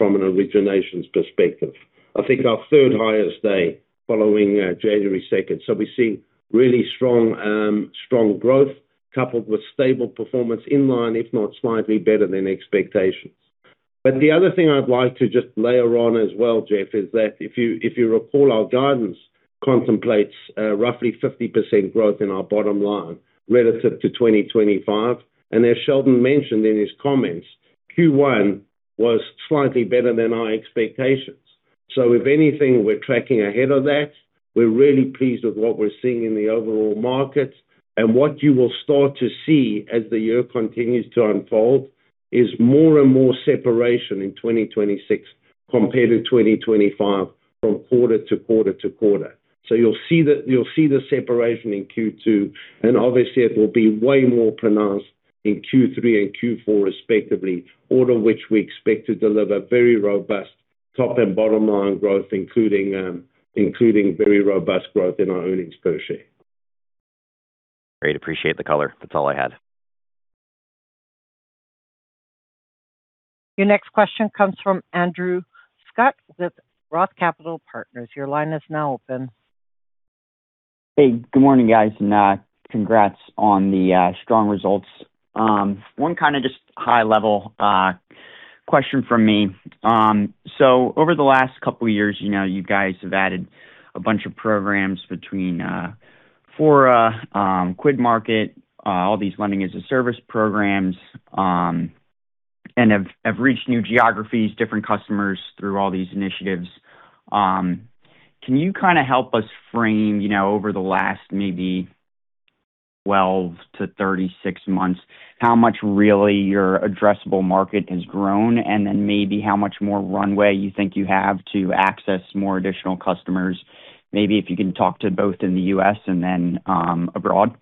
originations perspective. I think our third-highest day following January 2nd. We're seeing really strong growth coupled with stable performance in line, if not slightly better than expectations. The other thing I'd like to just layer on as well, Jeff, is that if you recall our guidance contemplates roughly 50% growth in our bottom line relative to 2025. As Sheldon mentioned in his comments, Q1 was slightly better than our expectations. If anything, we're tracking ahead of that. We're really pleased with what we're seeing in the overall markets. What you will start to see as the year continues to unfold is more and more separation in 2026 compared to 2025 from quarter to quarter to quarter. You'll see the separation in Q2, and obviously it will be way more pronounced in Q3 and Q4 respectively, all of which we expect to deliver very robust top and bottom line growth including very robust growth in our earnings per share. Great. Appreciate the color. That's all I had. Your next question comes from Andrew Scutt with Roth Capital Partners. Your line is now open. Hey, good morning, guys, and congrats on the strong results. One kinda just high-level question from me. Over the last couple years, you know, you guys have added a bunch of programs between Fora, QuidMarket, all these Lending-as-a-Service programs, and have reached new geographies, different customers through all these initiatives. Can you kinda help us frame, you know, over the last maybe 12 months-36 months, how much really your addressable market has grown and then maybe how much more runway you think you have to access more additional customers? Maybe if you can talk to both in the U.S. and then abroad.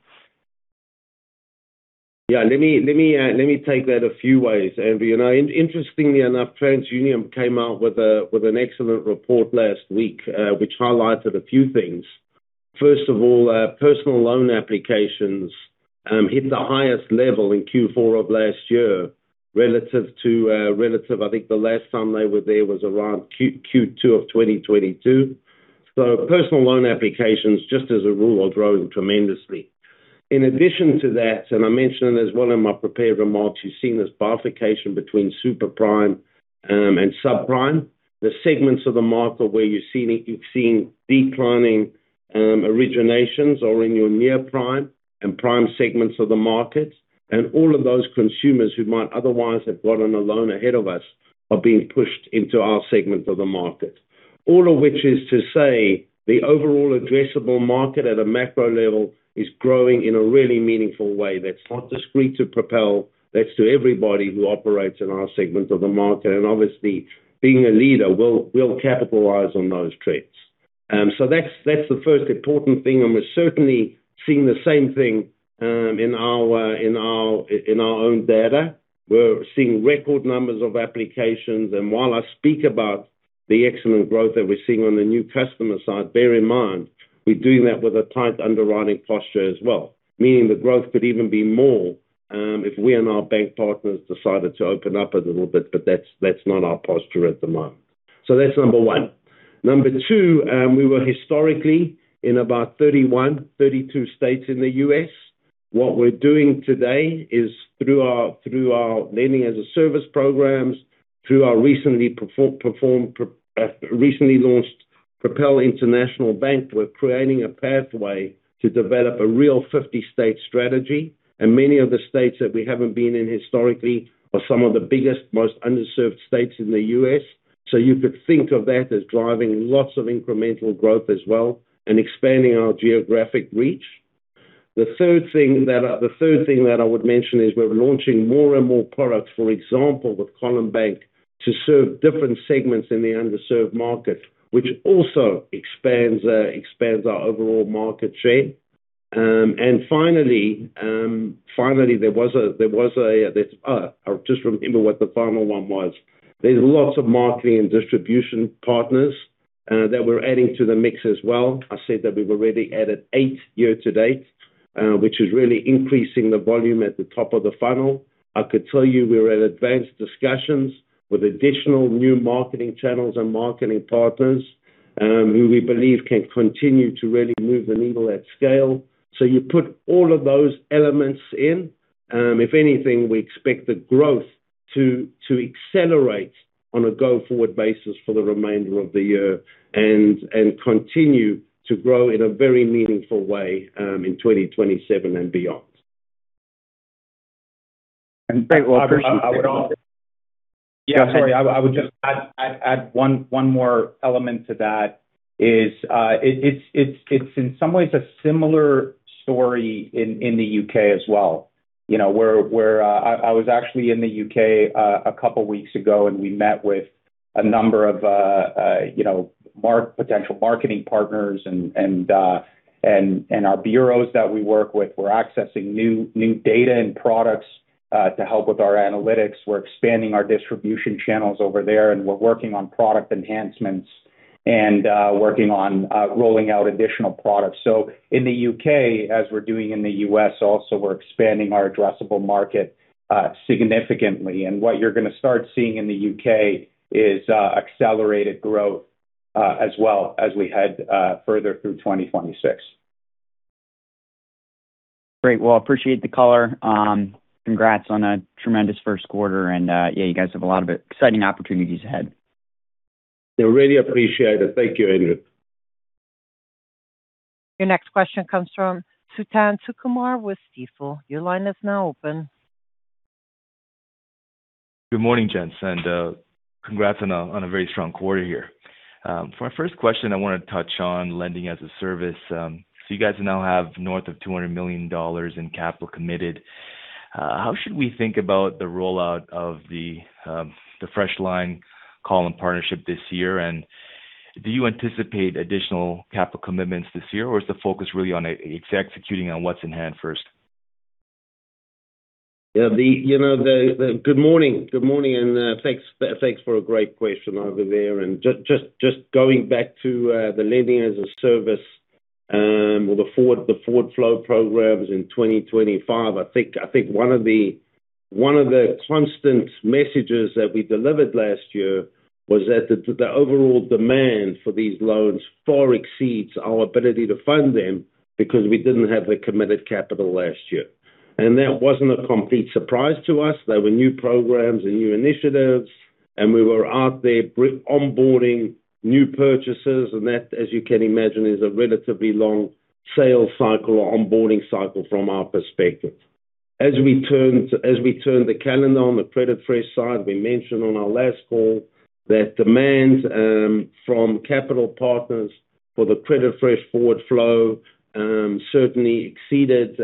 Let me take that a few ways, Andrew. You know, interestingly enough, TransUnion came out with an excellent report last week, which highlighted a few things. First of all, personal loan applications hit the highest level in Q4 of last year relative to I think the last time they were there was around Q2 of 2022. Personal loan applications just as a rule are growing tremendously. In addition to that, and I mentioned it as one of my prepared remarks, you've seen this bifurcation between super prime and subprime. The segments of the market where you've seen declining originations or in your near-prime and prime segments of the markets. All of those consumers who might otherwise have gotten a loan ahead of us are being pushed into our segment of the market. All of which is to say the overall addressable market at a macro level is growing in a really meaningful way that's not discrete to Propel. That's to everybody who operates in our segment of the market. Obviously, being a leader, we'll capitalize on those trends. That's the first important thing, and we're certainly seeing the same thing in our own data. We're seeing record numbers of applications. While I speak about the excellent growth that we're seeing on the new customer side, bear in mind, we're doing that with a tight underwriting posture as well. Meaning the growth could even be more if we and our bank partners decided to open up a little bit, but that's not our posture at the moment. That's number one. Number two, we were historically in about 31, 32 states in the U.S. What we're doing today is through our, through our Lending-as-a-Service programs, through our recently launched Propel International Bank, we're creating a pathway to develop a real 50-state strategy. Many of the states that we haven't been in historically are some of the biggest, most underserved states in the U.S. You could think of that as driving lots of incremental growth as well and expanding our geographic reach. The third thing that I would mention is we're launching more and more products, for example, with Column Bank, to serve different segments in the underserved market, which also expands our overall market share. Finally, I just remember what the final one was. There's lots of marketing and distribution partners that we're adding to the mix as well. I said that we've already added eight year-to-date, which is really increasing the volume at the top of the funnel. I could tell you we're at advanced discussions with additional new marketing channels and marketing partners, who we believe can continue to really move the needle at scale. You put all of those elements in. If anything, we expect the growth to accelerate on a go-forward basis for the remainder of the year and continue to grow in a very meaningful way in 2027 and beyond. Great. Well, appreciate. Yeah, sorry. I would just add one more element to that is, it's in some ways a similar story in the U.K. as well. You know, where, I was actually in the U.K. a couple weeks ago, and we met with a number of, you know, potential marketing partners and our bureaus that we work with. We're accessing new data and products to help with our analytics. We're expanding our distribution channels over there, and we're working on product enhancements and working on rolling out additional products. In the U.K., as we're doing in the U.S. also, we're expanding our addressable market significantly. What you're gonna start seeing in the U.K. is accelerated growth as well as we head further through 2026. Great. Well, appreciate the color. Congrats on a tremendous first quarter and, yeah, you guys have a lot of exciting opportunities ahead. Really appreciate it. Thank you, Andrew. Your next question comes from Suthan Sukumar with Stifel. Your line is now open. Good morning, gents, and congrats on a very strong quarter here. For my first question, I wanna touch on Lending-as-a-Service. You guys now have north of $200 million in capital committed. How should we think about the rollout of the FreshLine Column partnership this year? Do you anticipate additional capital commitments this year, or is the focus really on executing on what's in hand first? Yeah, you know, Good morning, good morning, and thanks for a great question over there. Just going back to the Lending-as-a-Service or the forward flow programs in 2025, I think one of the constant messages that we delivered last year was that the overall demand for these loans far exceeds our ability to fund them because we didn't have the committed capital last year. That wasn't a complete surprise to us. There were new programs and new initiatives, and we were out there onboarding new purchases, and that, as you can imagine, is a relatively long sales cycle or onboarding cycle from our perspective. As we turn the calendar on the CreditFresh side, we mentioned on our last call that demand from capital partners for the CreditFresh forward flow certainly exceeded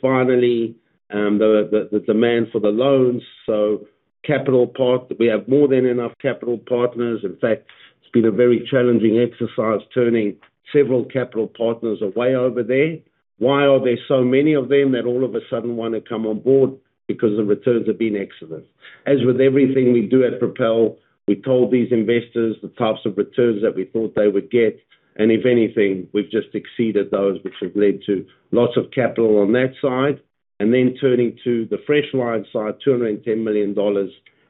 finally the demand for the loans. We have more than enough capital partners. In fact, it's been a very challenging exercise turning several capital partners away over there. Why are there so many of them that all of a sudden wanna come on board? Because the returns have been excellent. As with everything we do at Propel, we told these investors the types of returns that we thought they would get, and if anything, we've just exceeded those which have led to lots of capital on that side. Turning to the FreshLine side, $210 million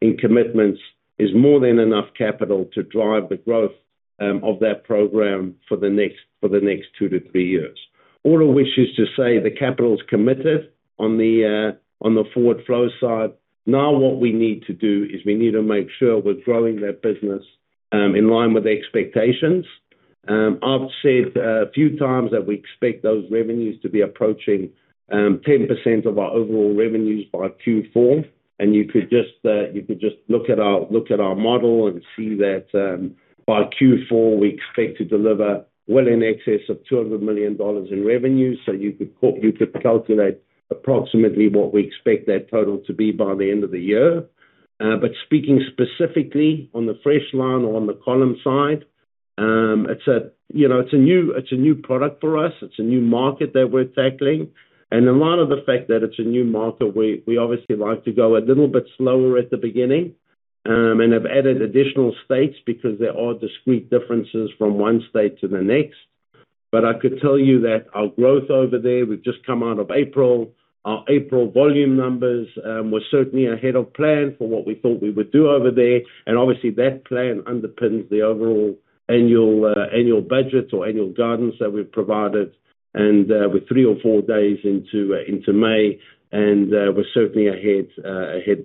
in commitments is more than enough capital to drive the growth of that program for the next two to three years. All of which is to say the capital's committed on the forward flow side. What we need to do is we need to make sure we're growing that business in line with the expectations. I've said a few times that we expect those revenues to be approaching 10% of our overall revenues by Q4. You could just look at our model and see that by Q4, we expect to deliver well in excess of $200 million in revenue. You could calculate approximately what we expect that total to be by the end of the year. Speaking specifically on the FreshLine or on the Column side, you know, it's a new product for us. It's a new market that we're tackling. A lot of the fact that it's a new market, we obviously like to go a little bit slower at the beginning and have added additional states because there are discrete differences from one state to the next. I could tell you that our growth over there, we've just come out of April. Our April volume numbers were certainly ahead of plan for what we thought we would do over there. Obviously, that plan underpins the overall annual budget or annual guidance that we've provided, and we're three or four days into May, and we're certainly ahead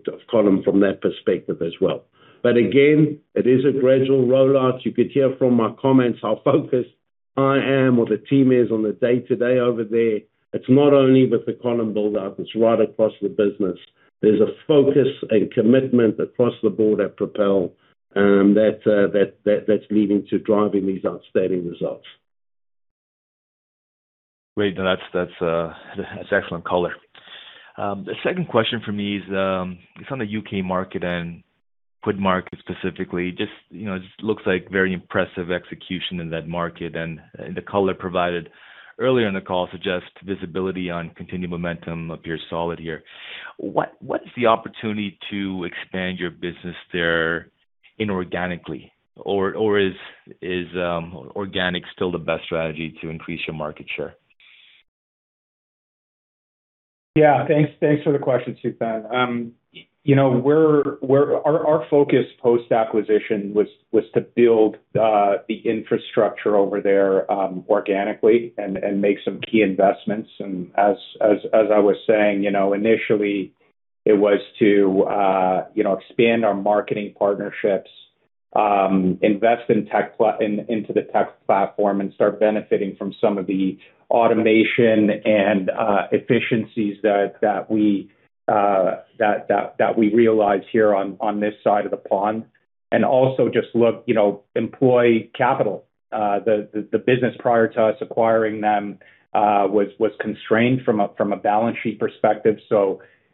of Column from that perspective as well. Again, it is a gradual rollout. You could hear from my comments how focused I am or the team is on the day-to-day over there. It's not only with the Column buildup, it's right across the business. There's a focus and commitment across the board at Propel that's leading to driving these outstanding results. Great. That's excellent color. The second question for me is, it's on the U.K. market and QuidMarket specifically. Just, you know, it just looks like very impressive execution in that market, and the color provided earlier in the call suggests visibility on continued momentum appears solid here. What is the opportunity to expand your business there inorganically? Or is organic still the best strategy to increase your market share? Thanks for the question, Suthan. You know, we're our focus post-acquisition was to build the infrastructure over there organically and make some key investments. As I was saying, you know, initially it was to expand our marketing partnerships, invest into the tech platform, and start benefiting from some of the automation and efficiencies that we realize here on this side of the pond. Also just look, you know, employ capital. The business prior to us acquiring them was constrained from a balance sheet perspective.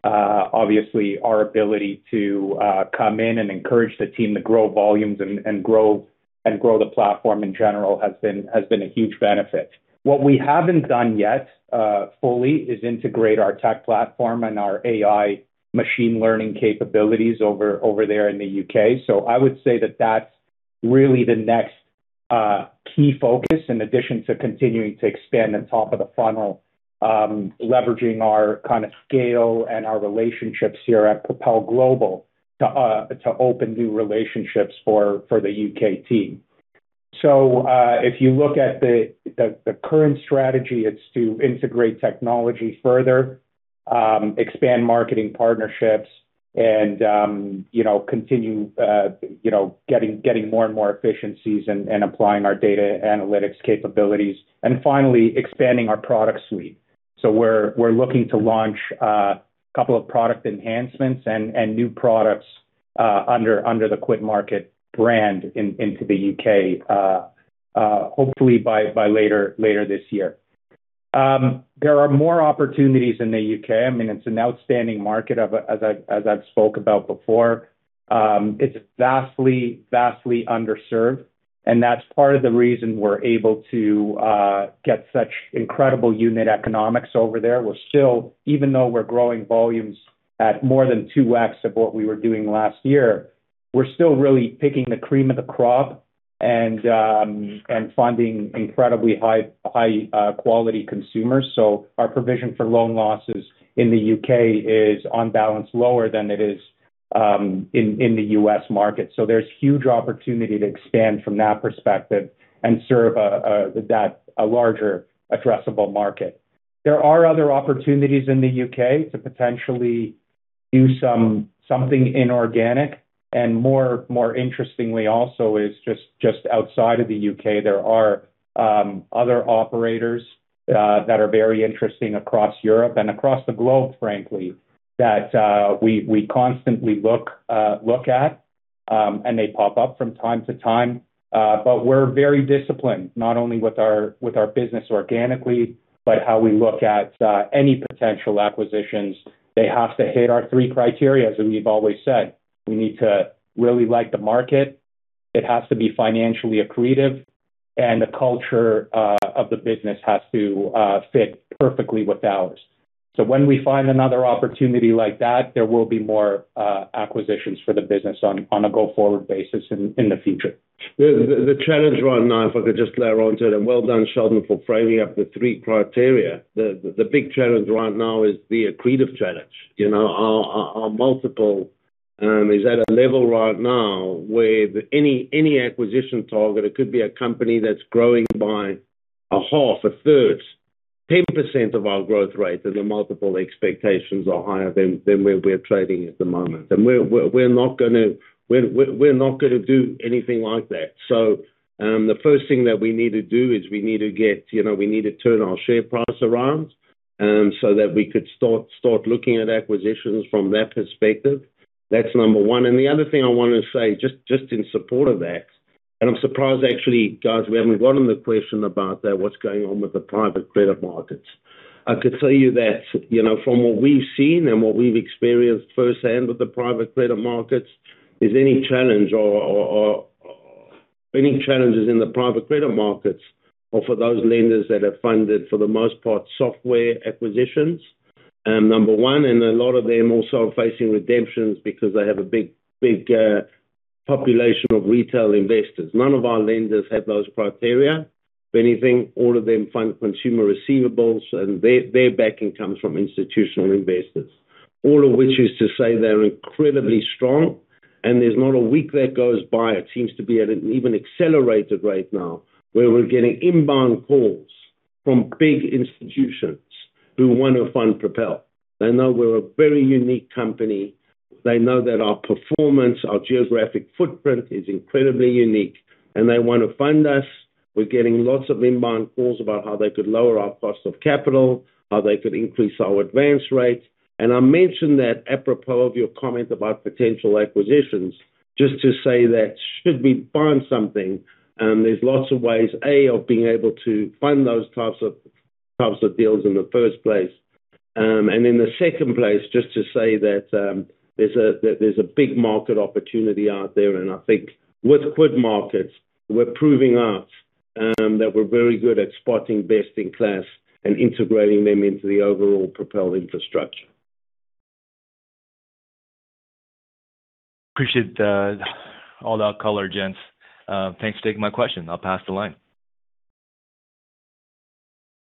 Obviously our ability to come in and encourage the team to grow volumes and grow the platform in general has been a huge benefit. What we haven't done yet fully is integrate our tech platform and our AI machine learning capabilities over there in the U.K. I would say that that's really the next key focus in addition to continuing to expand the top of the funnel, leveraging our kind of scale and our relationships here at Propel Global to open new relationships for the U.K. team. If you look at the current strategy, it's to integrate technology further, expand marketing partnerships and, you know, continue getting more and more efficiencies and applying our data analytics capabilities. Finally, expanding our product suite. We're looking to launch a couple of product enhancements and new products under the QuidMarket brand into the U.K. hopefully by later this year. There are more opportunities in the U.K. I mean, it's an outstanding market, as I've spoke about before. It's vastly underserved, and that's part of the reason we're able to get such incredible unit economics over there. We're still, even though we're growing volumes at more than 2x of what we were doing last year, we're still really picking the cream of the crop and finding incredibly high quality consumers. Our provision for loan losses in the U.K. is on balance lower than it is in the U.S. market. There's huge opportunity to expand from that perspective and serve a larger addressable market. There are other opportunities in the U.K. to potentially do something inorganic, and more interestingly also is just outside of the U.K. there are other operators that are very interesting across Europe and across the globe, frankly, that we constantly look at, and they pop up from time to time. We're very disciplined, not only with our business organically, but how we look at any potential acquisitions. They have to hit our three criteria, as we've always said. We need to really like the market, it has to be financially accretive, and the culture of the business has to fit perfectly with ours. When we find another opportunity like that, there will be more acquisitions for the business on a go-forward basis in the future. The challenge right now, if I could just layer onto it, well done, Sheldon, for framing up the three criteria. The big challenge right now is the accretive challenge. You know, our multiple is at a level right now where any acquisition target, it could be a company that's growing by a half, a third, 10% of our growth rate, the multiple expectations are higher than where we're trading at the moment. We're not gonna do anything like that. The first thing that we need to do is we need to get, you know, we need to turn our share price around, so that we could start looking at acquisitions from that perspective. That's number one. The other thing I wanna say, just in support of that, and I'm surprised actually, guys, we haven't gotten the question about that, what's going on with the private credit markets? I could tell you that, you know, from what we've seen and what we've experienced firsthand with the private credit markets, if any challenge or any challenges in the private credit markets are for those lenders that have funded, for the most part, software acquisitions, number one. A lot of them also are facing redemptions because they have a big population of retail investors. None of our lenders have those criteria. If anything, all of them fund consumer receivables, and their backing comes from institutional investors. All of which is to say they're incredibly strong. There's not a week that goes by, it seems to be at an even accelerated rate now, where we're getting inbound calls from big institutions who want to fund Propel. They know we're a very unique company. They know that our performance, our geographic footprint is incredibly unique, and they want to fund us. We're getting lots of inbound calls about how they could lower our cost of capital, how they could increase our advance rates. I'll mention that apropos of your comment about potential acquisitions. Just to say that should we find something, there's lots of ways, A, of being able to fund those types of deals in the first place. In the second place, just to say that, there's a big market opportunity out there. I think with QuidMarket, we're proving out that we're very good at spotting best in class and integrating them into the overall Propel infrastructure. Appreciate all that color, gents. Thanks for taking my question. I'll pass the line.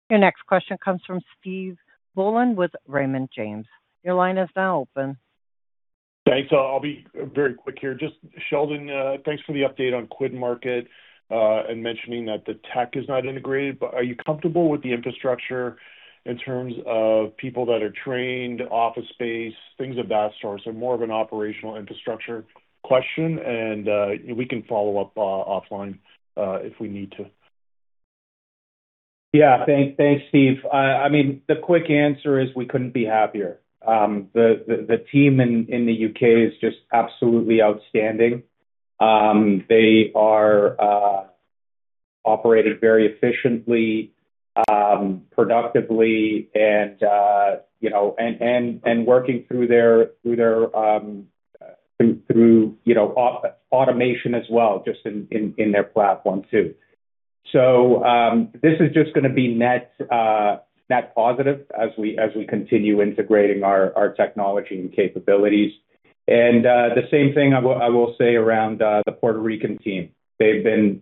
Your next question comes from Stephen Boland with Raymond James. Thanks. I'll be very quick here. Just Sheldon, thanks for the update on QuidMarket, and mentioning that the tech is not integrated. Are you comfortable with the infrastructure in terms of people that are trained, office space, things of that sort? More of an operational infrastructure question. We can follow up, offline, if we need to. Yeah. Thanks. Thanks, Steve. I mean, the quick answer is we couldn't be happier. The team in the U.K. is just absolutely outstanding. They are operated very efficiently, productively and, you know, working through their automation as well just in their platform too. This is just gonna be net positive as we continue integrating our technology and capabilities. The same thing I will say around the Puerto Rican team. They've been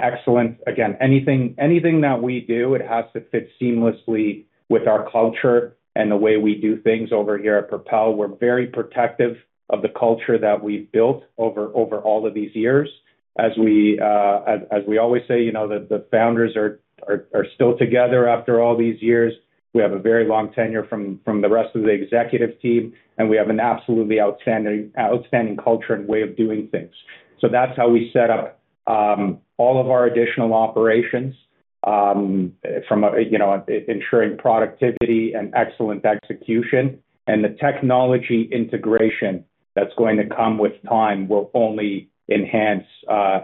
excellent. Again, anything that we do, it has to fit seamlessly with our culture and the way we do things over here at Propel. We're very protective of the culture that we've built over all of these years. As we always say, you know, the founders are still together after all these years. We have a very long tenure from the rest of the executive team, and we have an absolutely outstanding culture and way of doing things. That's how we set up all of our additional operations from, you know, ensuring productivity and excellent execution. The technology integration that's going to come with time will only enhance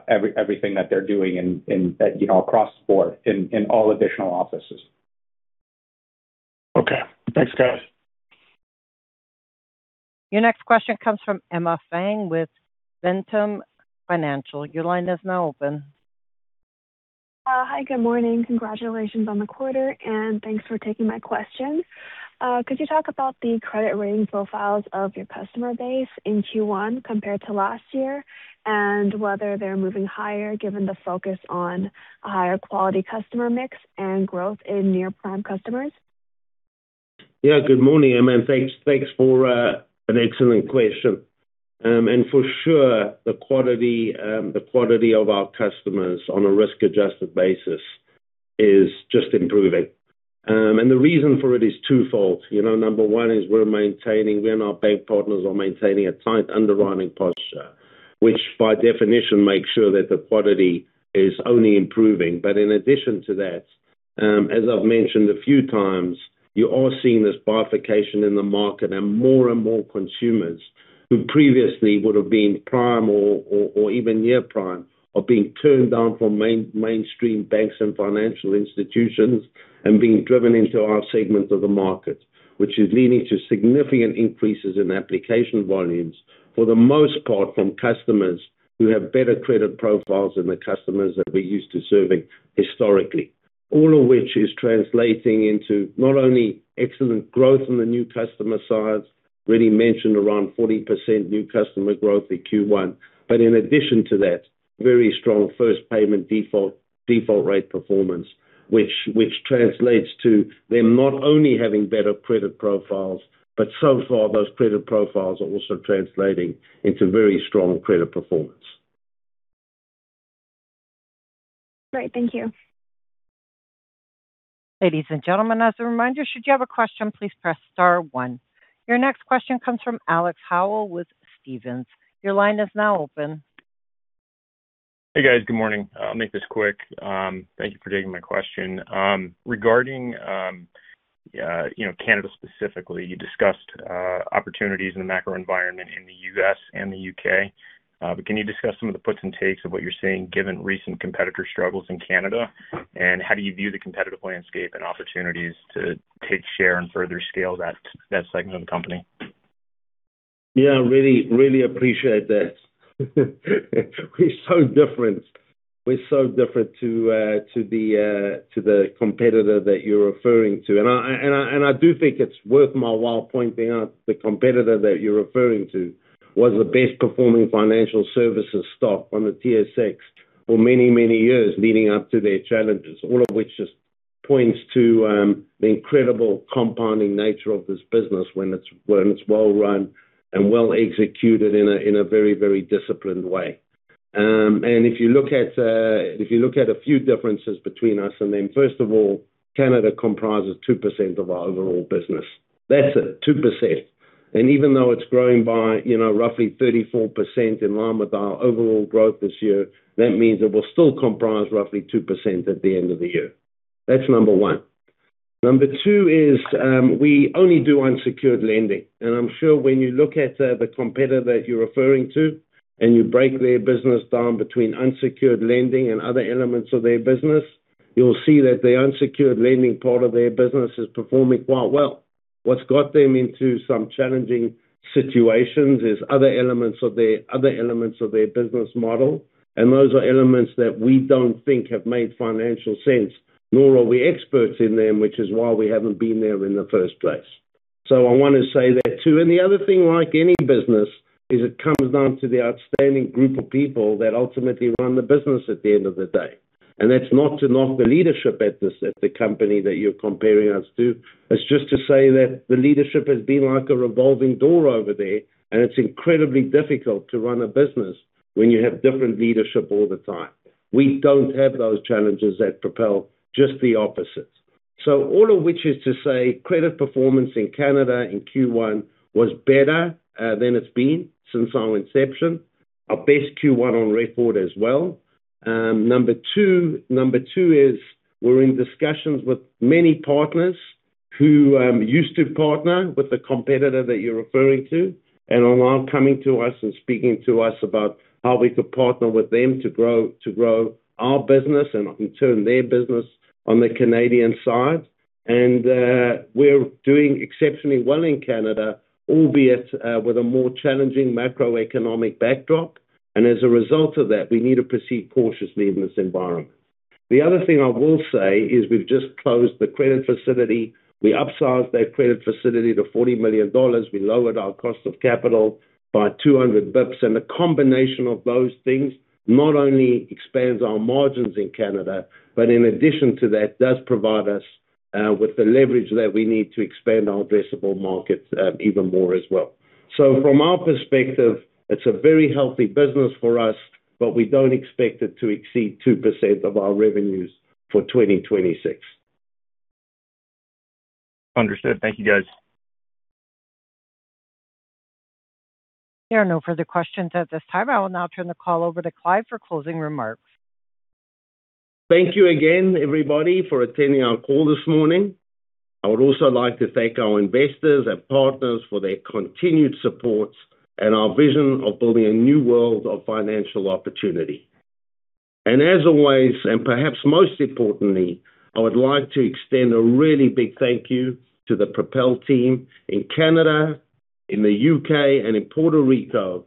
everything that they're doing in, you know, across the board in all additional offices. Okay. Thanks, guys. Your next question comes from Emma Feng with Ventum Financial. Your line is now open. Hi, good morning. Congratulations on the quarter, and thanks for taking my question. Could you talk about the credit rating profiles of your customer base in Q1 compared to last year, and whether they're moving higher given the focus on a higher quality customer mix and growth in near-prime customers? Yeah. Good morning, Emma, thanks for an excellent question. For sure, the quality of our customers on a risk-adjusted basis is just improving. The reason for it is twofold. You know, number one is we and our bank partners are maintaining a tight underwriting posture, which by definition makes sure that the quality is only improving. In addition to that, as I've mentioned a few times, you are seeing this bifurcation in the market and more and more consumers who previously would have been prime or even near prime are being turned down from mainstream banks and financial institutions and being driven into our segment of the market, which is leading to significant increases in application volumes, for the most part from customers who have better credit profiles than the customers that we're used to serving historically. All of which is translating into not only excellent growth on the new customer side, really mentioned around 40% new customer growth in Q1. In addition to that, very strong first payment default rate performance, which translates to them not only having better credit profiles, but so far those credit profiles are also translating into very strong credit performance. Great. Thank you. Ladies and gentlemen, as a reminder, should you have a question, please press star one. Your next question comes from Alex Howell with Stephens. Your line is now open. Hey, guys. Good morning. I'll make this quick. Thank you for taking my question. Regarding, you know, Canada specifically, you discussed opportunities in the macro environment in the U.S. and the U.K. Can you discuss some of the puts and takes of what you're seeing given recent competitor struggles in Canada? How do you view the competitive landscape and opportunities to take share and further scale that segment of the company? Yeah. Really, really appreciate that. We're so different. We're so different to the competitor that you're referring to. I do think it's worth my while pointing out the competitor that you're referring to was the best performing financial services stock on the TSX for many, many years leading up to their challenges, all of which just points to the incredible compounding nature of this business when it's well-run and well-executed in a very, very disciplined way. If you look at a few differences between us and them, first of all, Canada comprises 2% of our overall business. That's it, 2%. Even though it's growing by, you know, roughly 34% in line with our overall growth this year, that means it will still comprise roughly 2% at the end of the year. That's number one. Number two is, we only do unsecured lending. I'm sure when you look at the competitor that you're referring to and you break their business down between unsecured lending and other elements of their business, you'll see that the unsecured lending part of their business is performing quite well. What's got them into some challenging situations is other elements of their, other elements of their business model. Those are elements that we don't think have made financial sense, nor are we experts in them, which is why we haven't been there in the first place. I want to say that too. The other thing, like any business, is it comes down to the outstanding group of people that ultimately run the business at the end of the day. That's not to knock the leadership at the company that you're comparing us to. It's just to say that the leadership has been like a revolving door over there, and it's incredibly difficult to run a business when you have different leadership all the time. We don't have those challenges at Propel, just the opposite. All of which is to say credit performance in Canada in Q1 was better than it's been since our inception. Our best Q1 on record as well. Number two. Number two is we're in discussions with many partners who used to partner with the competitor that you're referring to and are now coming to us and speaking to us about how we could partner with them to grow our business and in turn their business on the Canadian side. We're doing exceptionally well in Canada, albeit with a more challenging macroeconomic backdrop. As a result of that, we need to proceed cautiously in this environment. The other thing I will say is we've just closed the credit facility. We upsized that credit facility to $40 million. We lowered our cost of capital by 200 basis points. The combination of those things not only expands our margins in Canada, but in addition to that, does provide us with the leverage that we need to expand our addressable markets even more as well. From our perspective, it's a very healthy business for us, but we don't expect it to exceed 2% of our revenues for 2026. Understood. Thank you, guys. There are no further questions at this time. I will now turn the call over to Clive for closing remarks. Thank you again, everybody, for attending our call this morning. I would also like to thank our investors and partners for their continued support and our vision of building a new world of financial opportunity. As always, and perhaps most importantly, I would like to extend a really big thank you to the Propel team in Canada, in the U.K., and in Puerto Rico.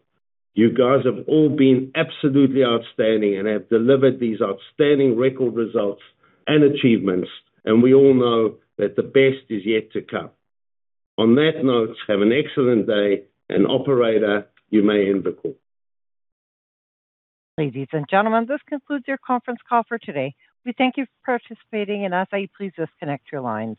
You guys have all been absolutely outstanding and have delivered these outstanding record results and achievements, and we all know that the best is yet to come. On that note, have an excellent day, and operator, you may end the call. Ladies and gentlemen, this concludes your conference call for today. We thank you for participating and ask that you please disconnect your lines.